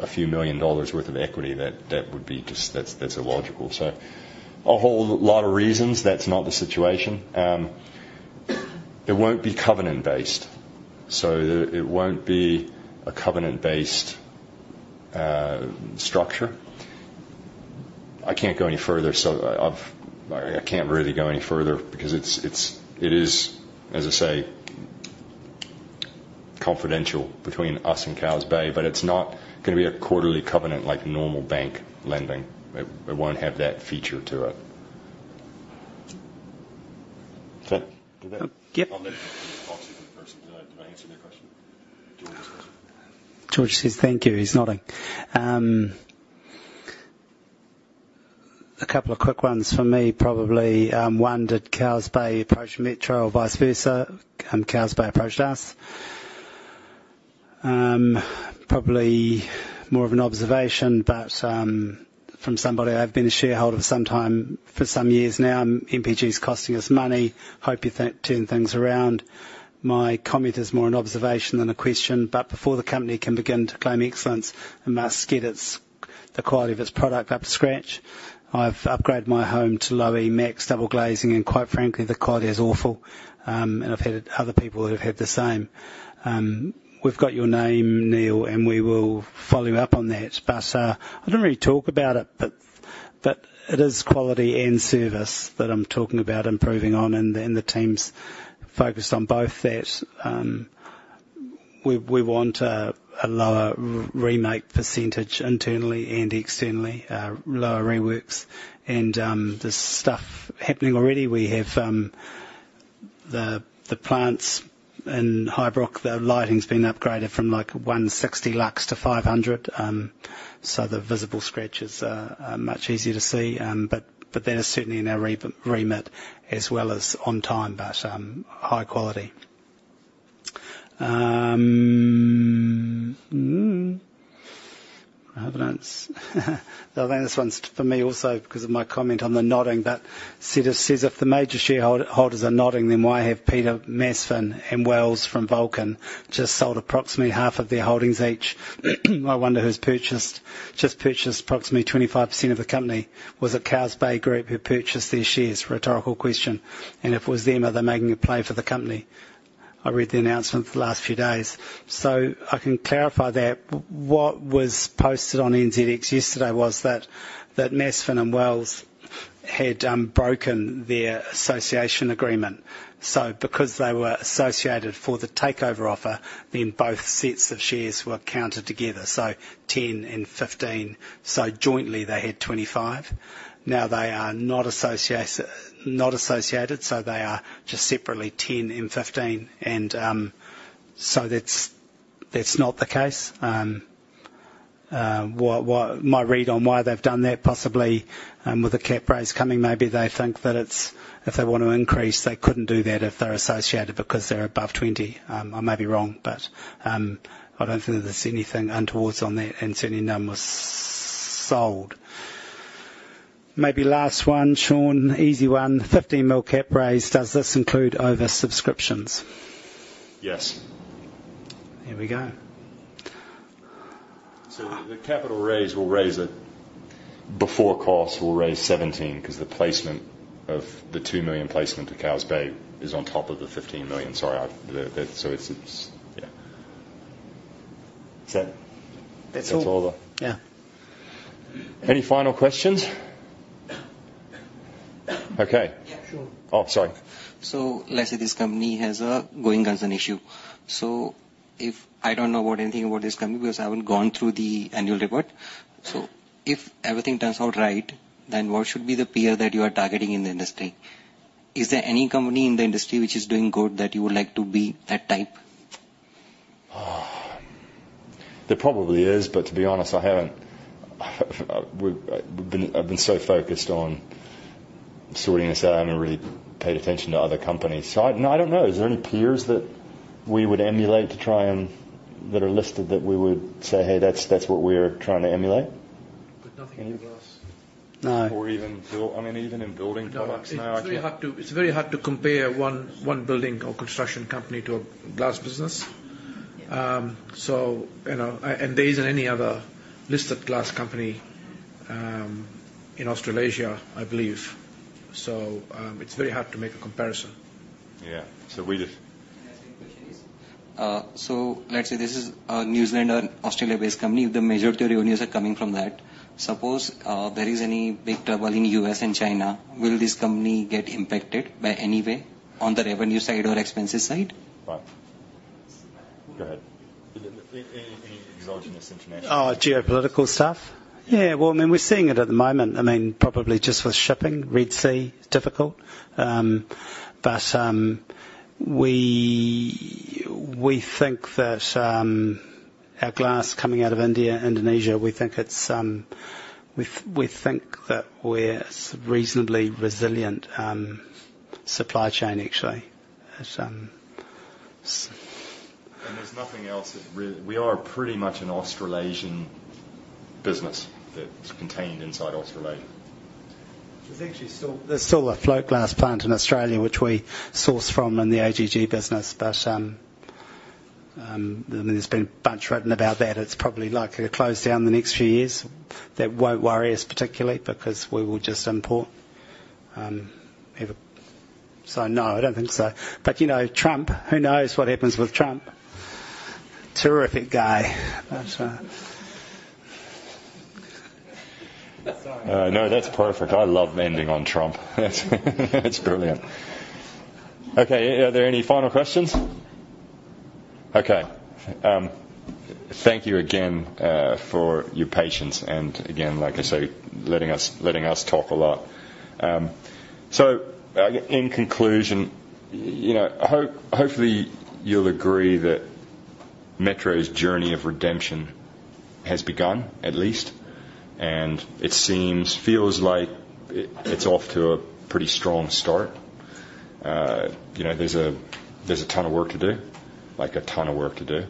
a few million dollars worth of equity. That would be just, that's illogical. So a whole lot of reasons, that's not the situation. It won't be covenant-based, so it won't be a covenant-based structure. I can't go any further, so I can't really go any further because it is, as I say, confidential between us and Cowes Bay, but it's not gonna be a quarterly covenant like normal bank lending. It won't have that feature to it. So did that-
Yep.
I'll let you talk to the person. Did I, did I answer their question?
George says, "Thank you." He's nodding. A couple of quick ones for me, probably. One, did Cowes Bay approach Metro or vice versa? Cowes Bay approached us. Probably more of an observation, but, from somebody I've been a shareholder for some time, for some years now, MPG's costing us money. Hope you think turn things around. My comment is more an observation than a question, but before the company can begin to claim excellence, it must get its, the quality of its product up to scratch. I've upgraded my home to Low E Max double glazing, and quite frankly, the quality is awful. And I've heard other people who have had the same. We've got your name, Neil, and we will follow you up on that. But I didn't really talk about it, but it is quality and service that I'm talking about improving on, and then the team's focused on both that. We want a lower remake percentage internally and externally, lower reworks. And there's stuff happening already. We have the plants in Highbrook, the lighting's been upgraded from, like, 160 lux to 500. So the visible scratches are much easier to see. But they are certainly in our remit, as well as on time, but high quality. I don't... I think this one's for me also because of my comment on the nodding. Cedar says, "If the major shareholders are nodding, then why have Peter Masfen and Wells from Vulcan just sold approximately half of their holdings each? I wonder who's purchased, just purchased approximately 25% of the company. Was it Cowes Bay Group who purchased their shares? Rhetorical question. And if it was them, are they making a play for the company? I read the announcement the last few days. So I can clarify that. What was posted on NZX yesterday was that Masfen and Wells had broken their association agreement. So because they were associated for the takeover offer, then both sets of shares were counted together, so 10% and 15%. So jointly, they had 25%. Now they are not associated, so they are just separately 10% and 15%. And so that's not the case. My read on why they've done that, possibly, with the cap raise coming, maybe they think that it's, if they want to increase, they couldn't do that if they're associated because they're above twenty. I may be wrong, but, I don't think that there's anything untoward on that, and certainly none was sold. Maybe last one, Shawn. Easy one. "Fifteen mil cap raise, does this include oversubscriptions?
Yes.
Here we go....
So the capital raise will raise it. Before costs, we'll raise 17 million, 'cause the 2 million placement to Cowes Bay is on top of the 15 million. Sorry, so it's, yeah. Is that- That's all. That's all there. Yeah. Any final questions? Okay. Yeah, sure. Oh, sorry.
So let's say this company has a going concern issue. So if I don't know anything about this company, because I haven't gone through the annual report. So if everything turns out right, then what should be the peer that you are targeting in the industry? Is there any company in the industry which is doing good that you would like to be that type?
Oh, there probably is, but to be honest, I haven't. I've been so focused on sorting this out, I haven't really paid attention to other companies. So I don't know. Is there any peers that we would emulate to try and that are listed, that we would say, "Hey, that's what we're trying to emulate?
But nothing in glass.
No.
Or even build... I mean, even in building products now, I think...
It's very hard to compare one building or construction company to a glass business, so you know, and there isn't any other listed glass company in Australasia, I believe, so it's very hard to make a comparison.
Yeah. So we just-
Can I ask you questions? So let's say this is a New Zealand or Australia-based company. The majority of revenues are coming from that. Suppose there is any big trouble in U.S. and China, will this company get impacted by any way on the revenue side or expenses side?
Right. Go ahead. Any exogenous international-
Oh, geopolitical stuff? Yeah, well, I mean, we're seeing it at the moment. I mean, probably just with shipping, Red Sea, difficult. But we think that our glass coming out of India, Indonesia, we think it's... We think that we're reasonably resilient, supply chain actually.
There's nothing else that really... We are pretty much an Australasian business that's contained inside Australasia.
There's actually still a float glass plant in Australia, which we source from in the AGG business, but I mean, there's been a bunch written about that. It's probably likely to close down in the next few years. That won't worry us particularly because we will just import. So no, I don't think so. But you know, Trump, who knows what happens with Trump? Terrific guy, but.
No, that's perfect. I love ending on Trump. That's brilliant. Okay, are there any final questions? Okay, thank you again for your patience, and again, like I say, letting us talk a lot. So, in conclusion, you know, I hope, hopefully, you'll agree that Metro's journey of redemption has begun, at least, and it seems, feels like it, it's off to a pretty strong start. You know, there's a ton of work to do, like a ton of work to do,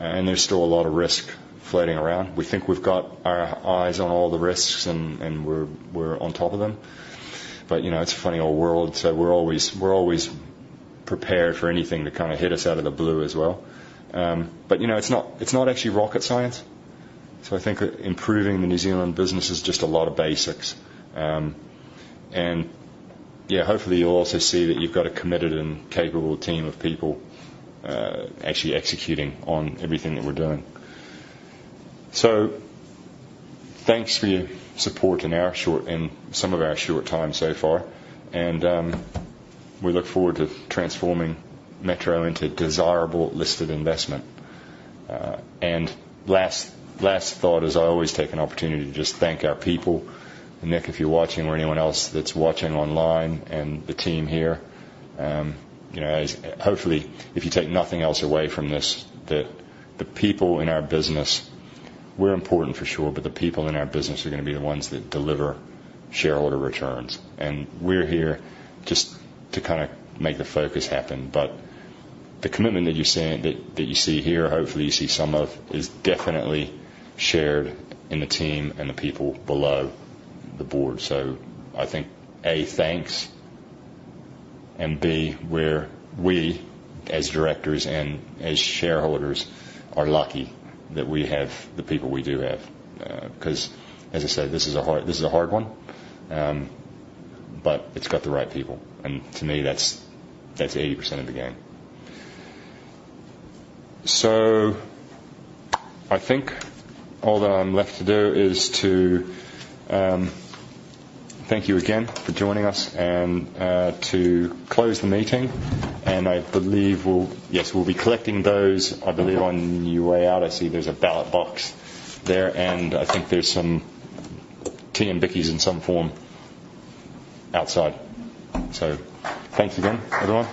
and there's still a lot of risk floating around. We think we've got our eyes on all the risks and we're on top of them. But you know, it's a funny old world, so we're always prepared for anything to kinda hit us out of the blue as well. But, you know, it's not, it's not actually rocket science. So I think improving the New Zealand business is just a lot of basics. And, yeah, hopefully, you'll also see that you've got a committed and capable team of people, actually executing on everything that we're doing. So thanks for your support in our short and some of our short time so far, and, we look forward to transforming Metro into a desirable, listed investment. And last thought is I always take an opportunity to just thank our people. And, Nick, if you're watching, or anyone else that's watching online, and the team here, you know, hopefully, if you take nothing else away from this, that the people in our business, we're important for sure, but the people in our business are gonna be the ones that deliver shareholder returns. And we're here just to kinda make the focus happen. But the commitment that you're seeing, that you see here, hopefully you see some of, is definitely shared in the team and the people below the board. So I think A, thanks, and B, we're as directors and as shareholders are lucky that we have the people we do have, 'cause as I said, this is a hard one, but it's got the right people, and to me, that's 80% of the game. So I think all that I'm left to do is to thank you again for joining us, and to close the meeting, and I believe we'll... Yes, we'll be collecting those, I believe, on your way out. I see there's a ballot box there, and I think there's some tea and bickies in some form outside. So thanks again, everyone.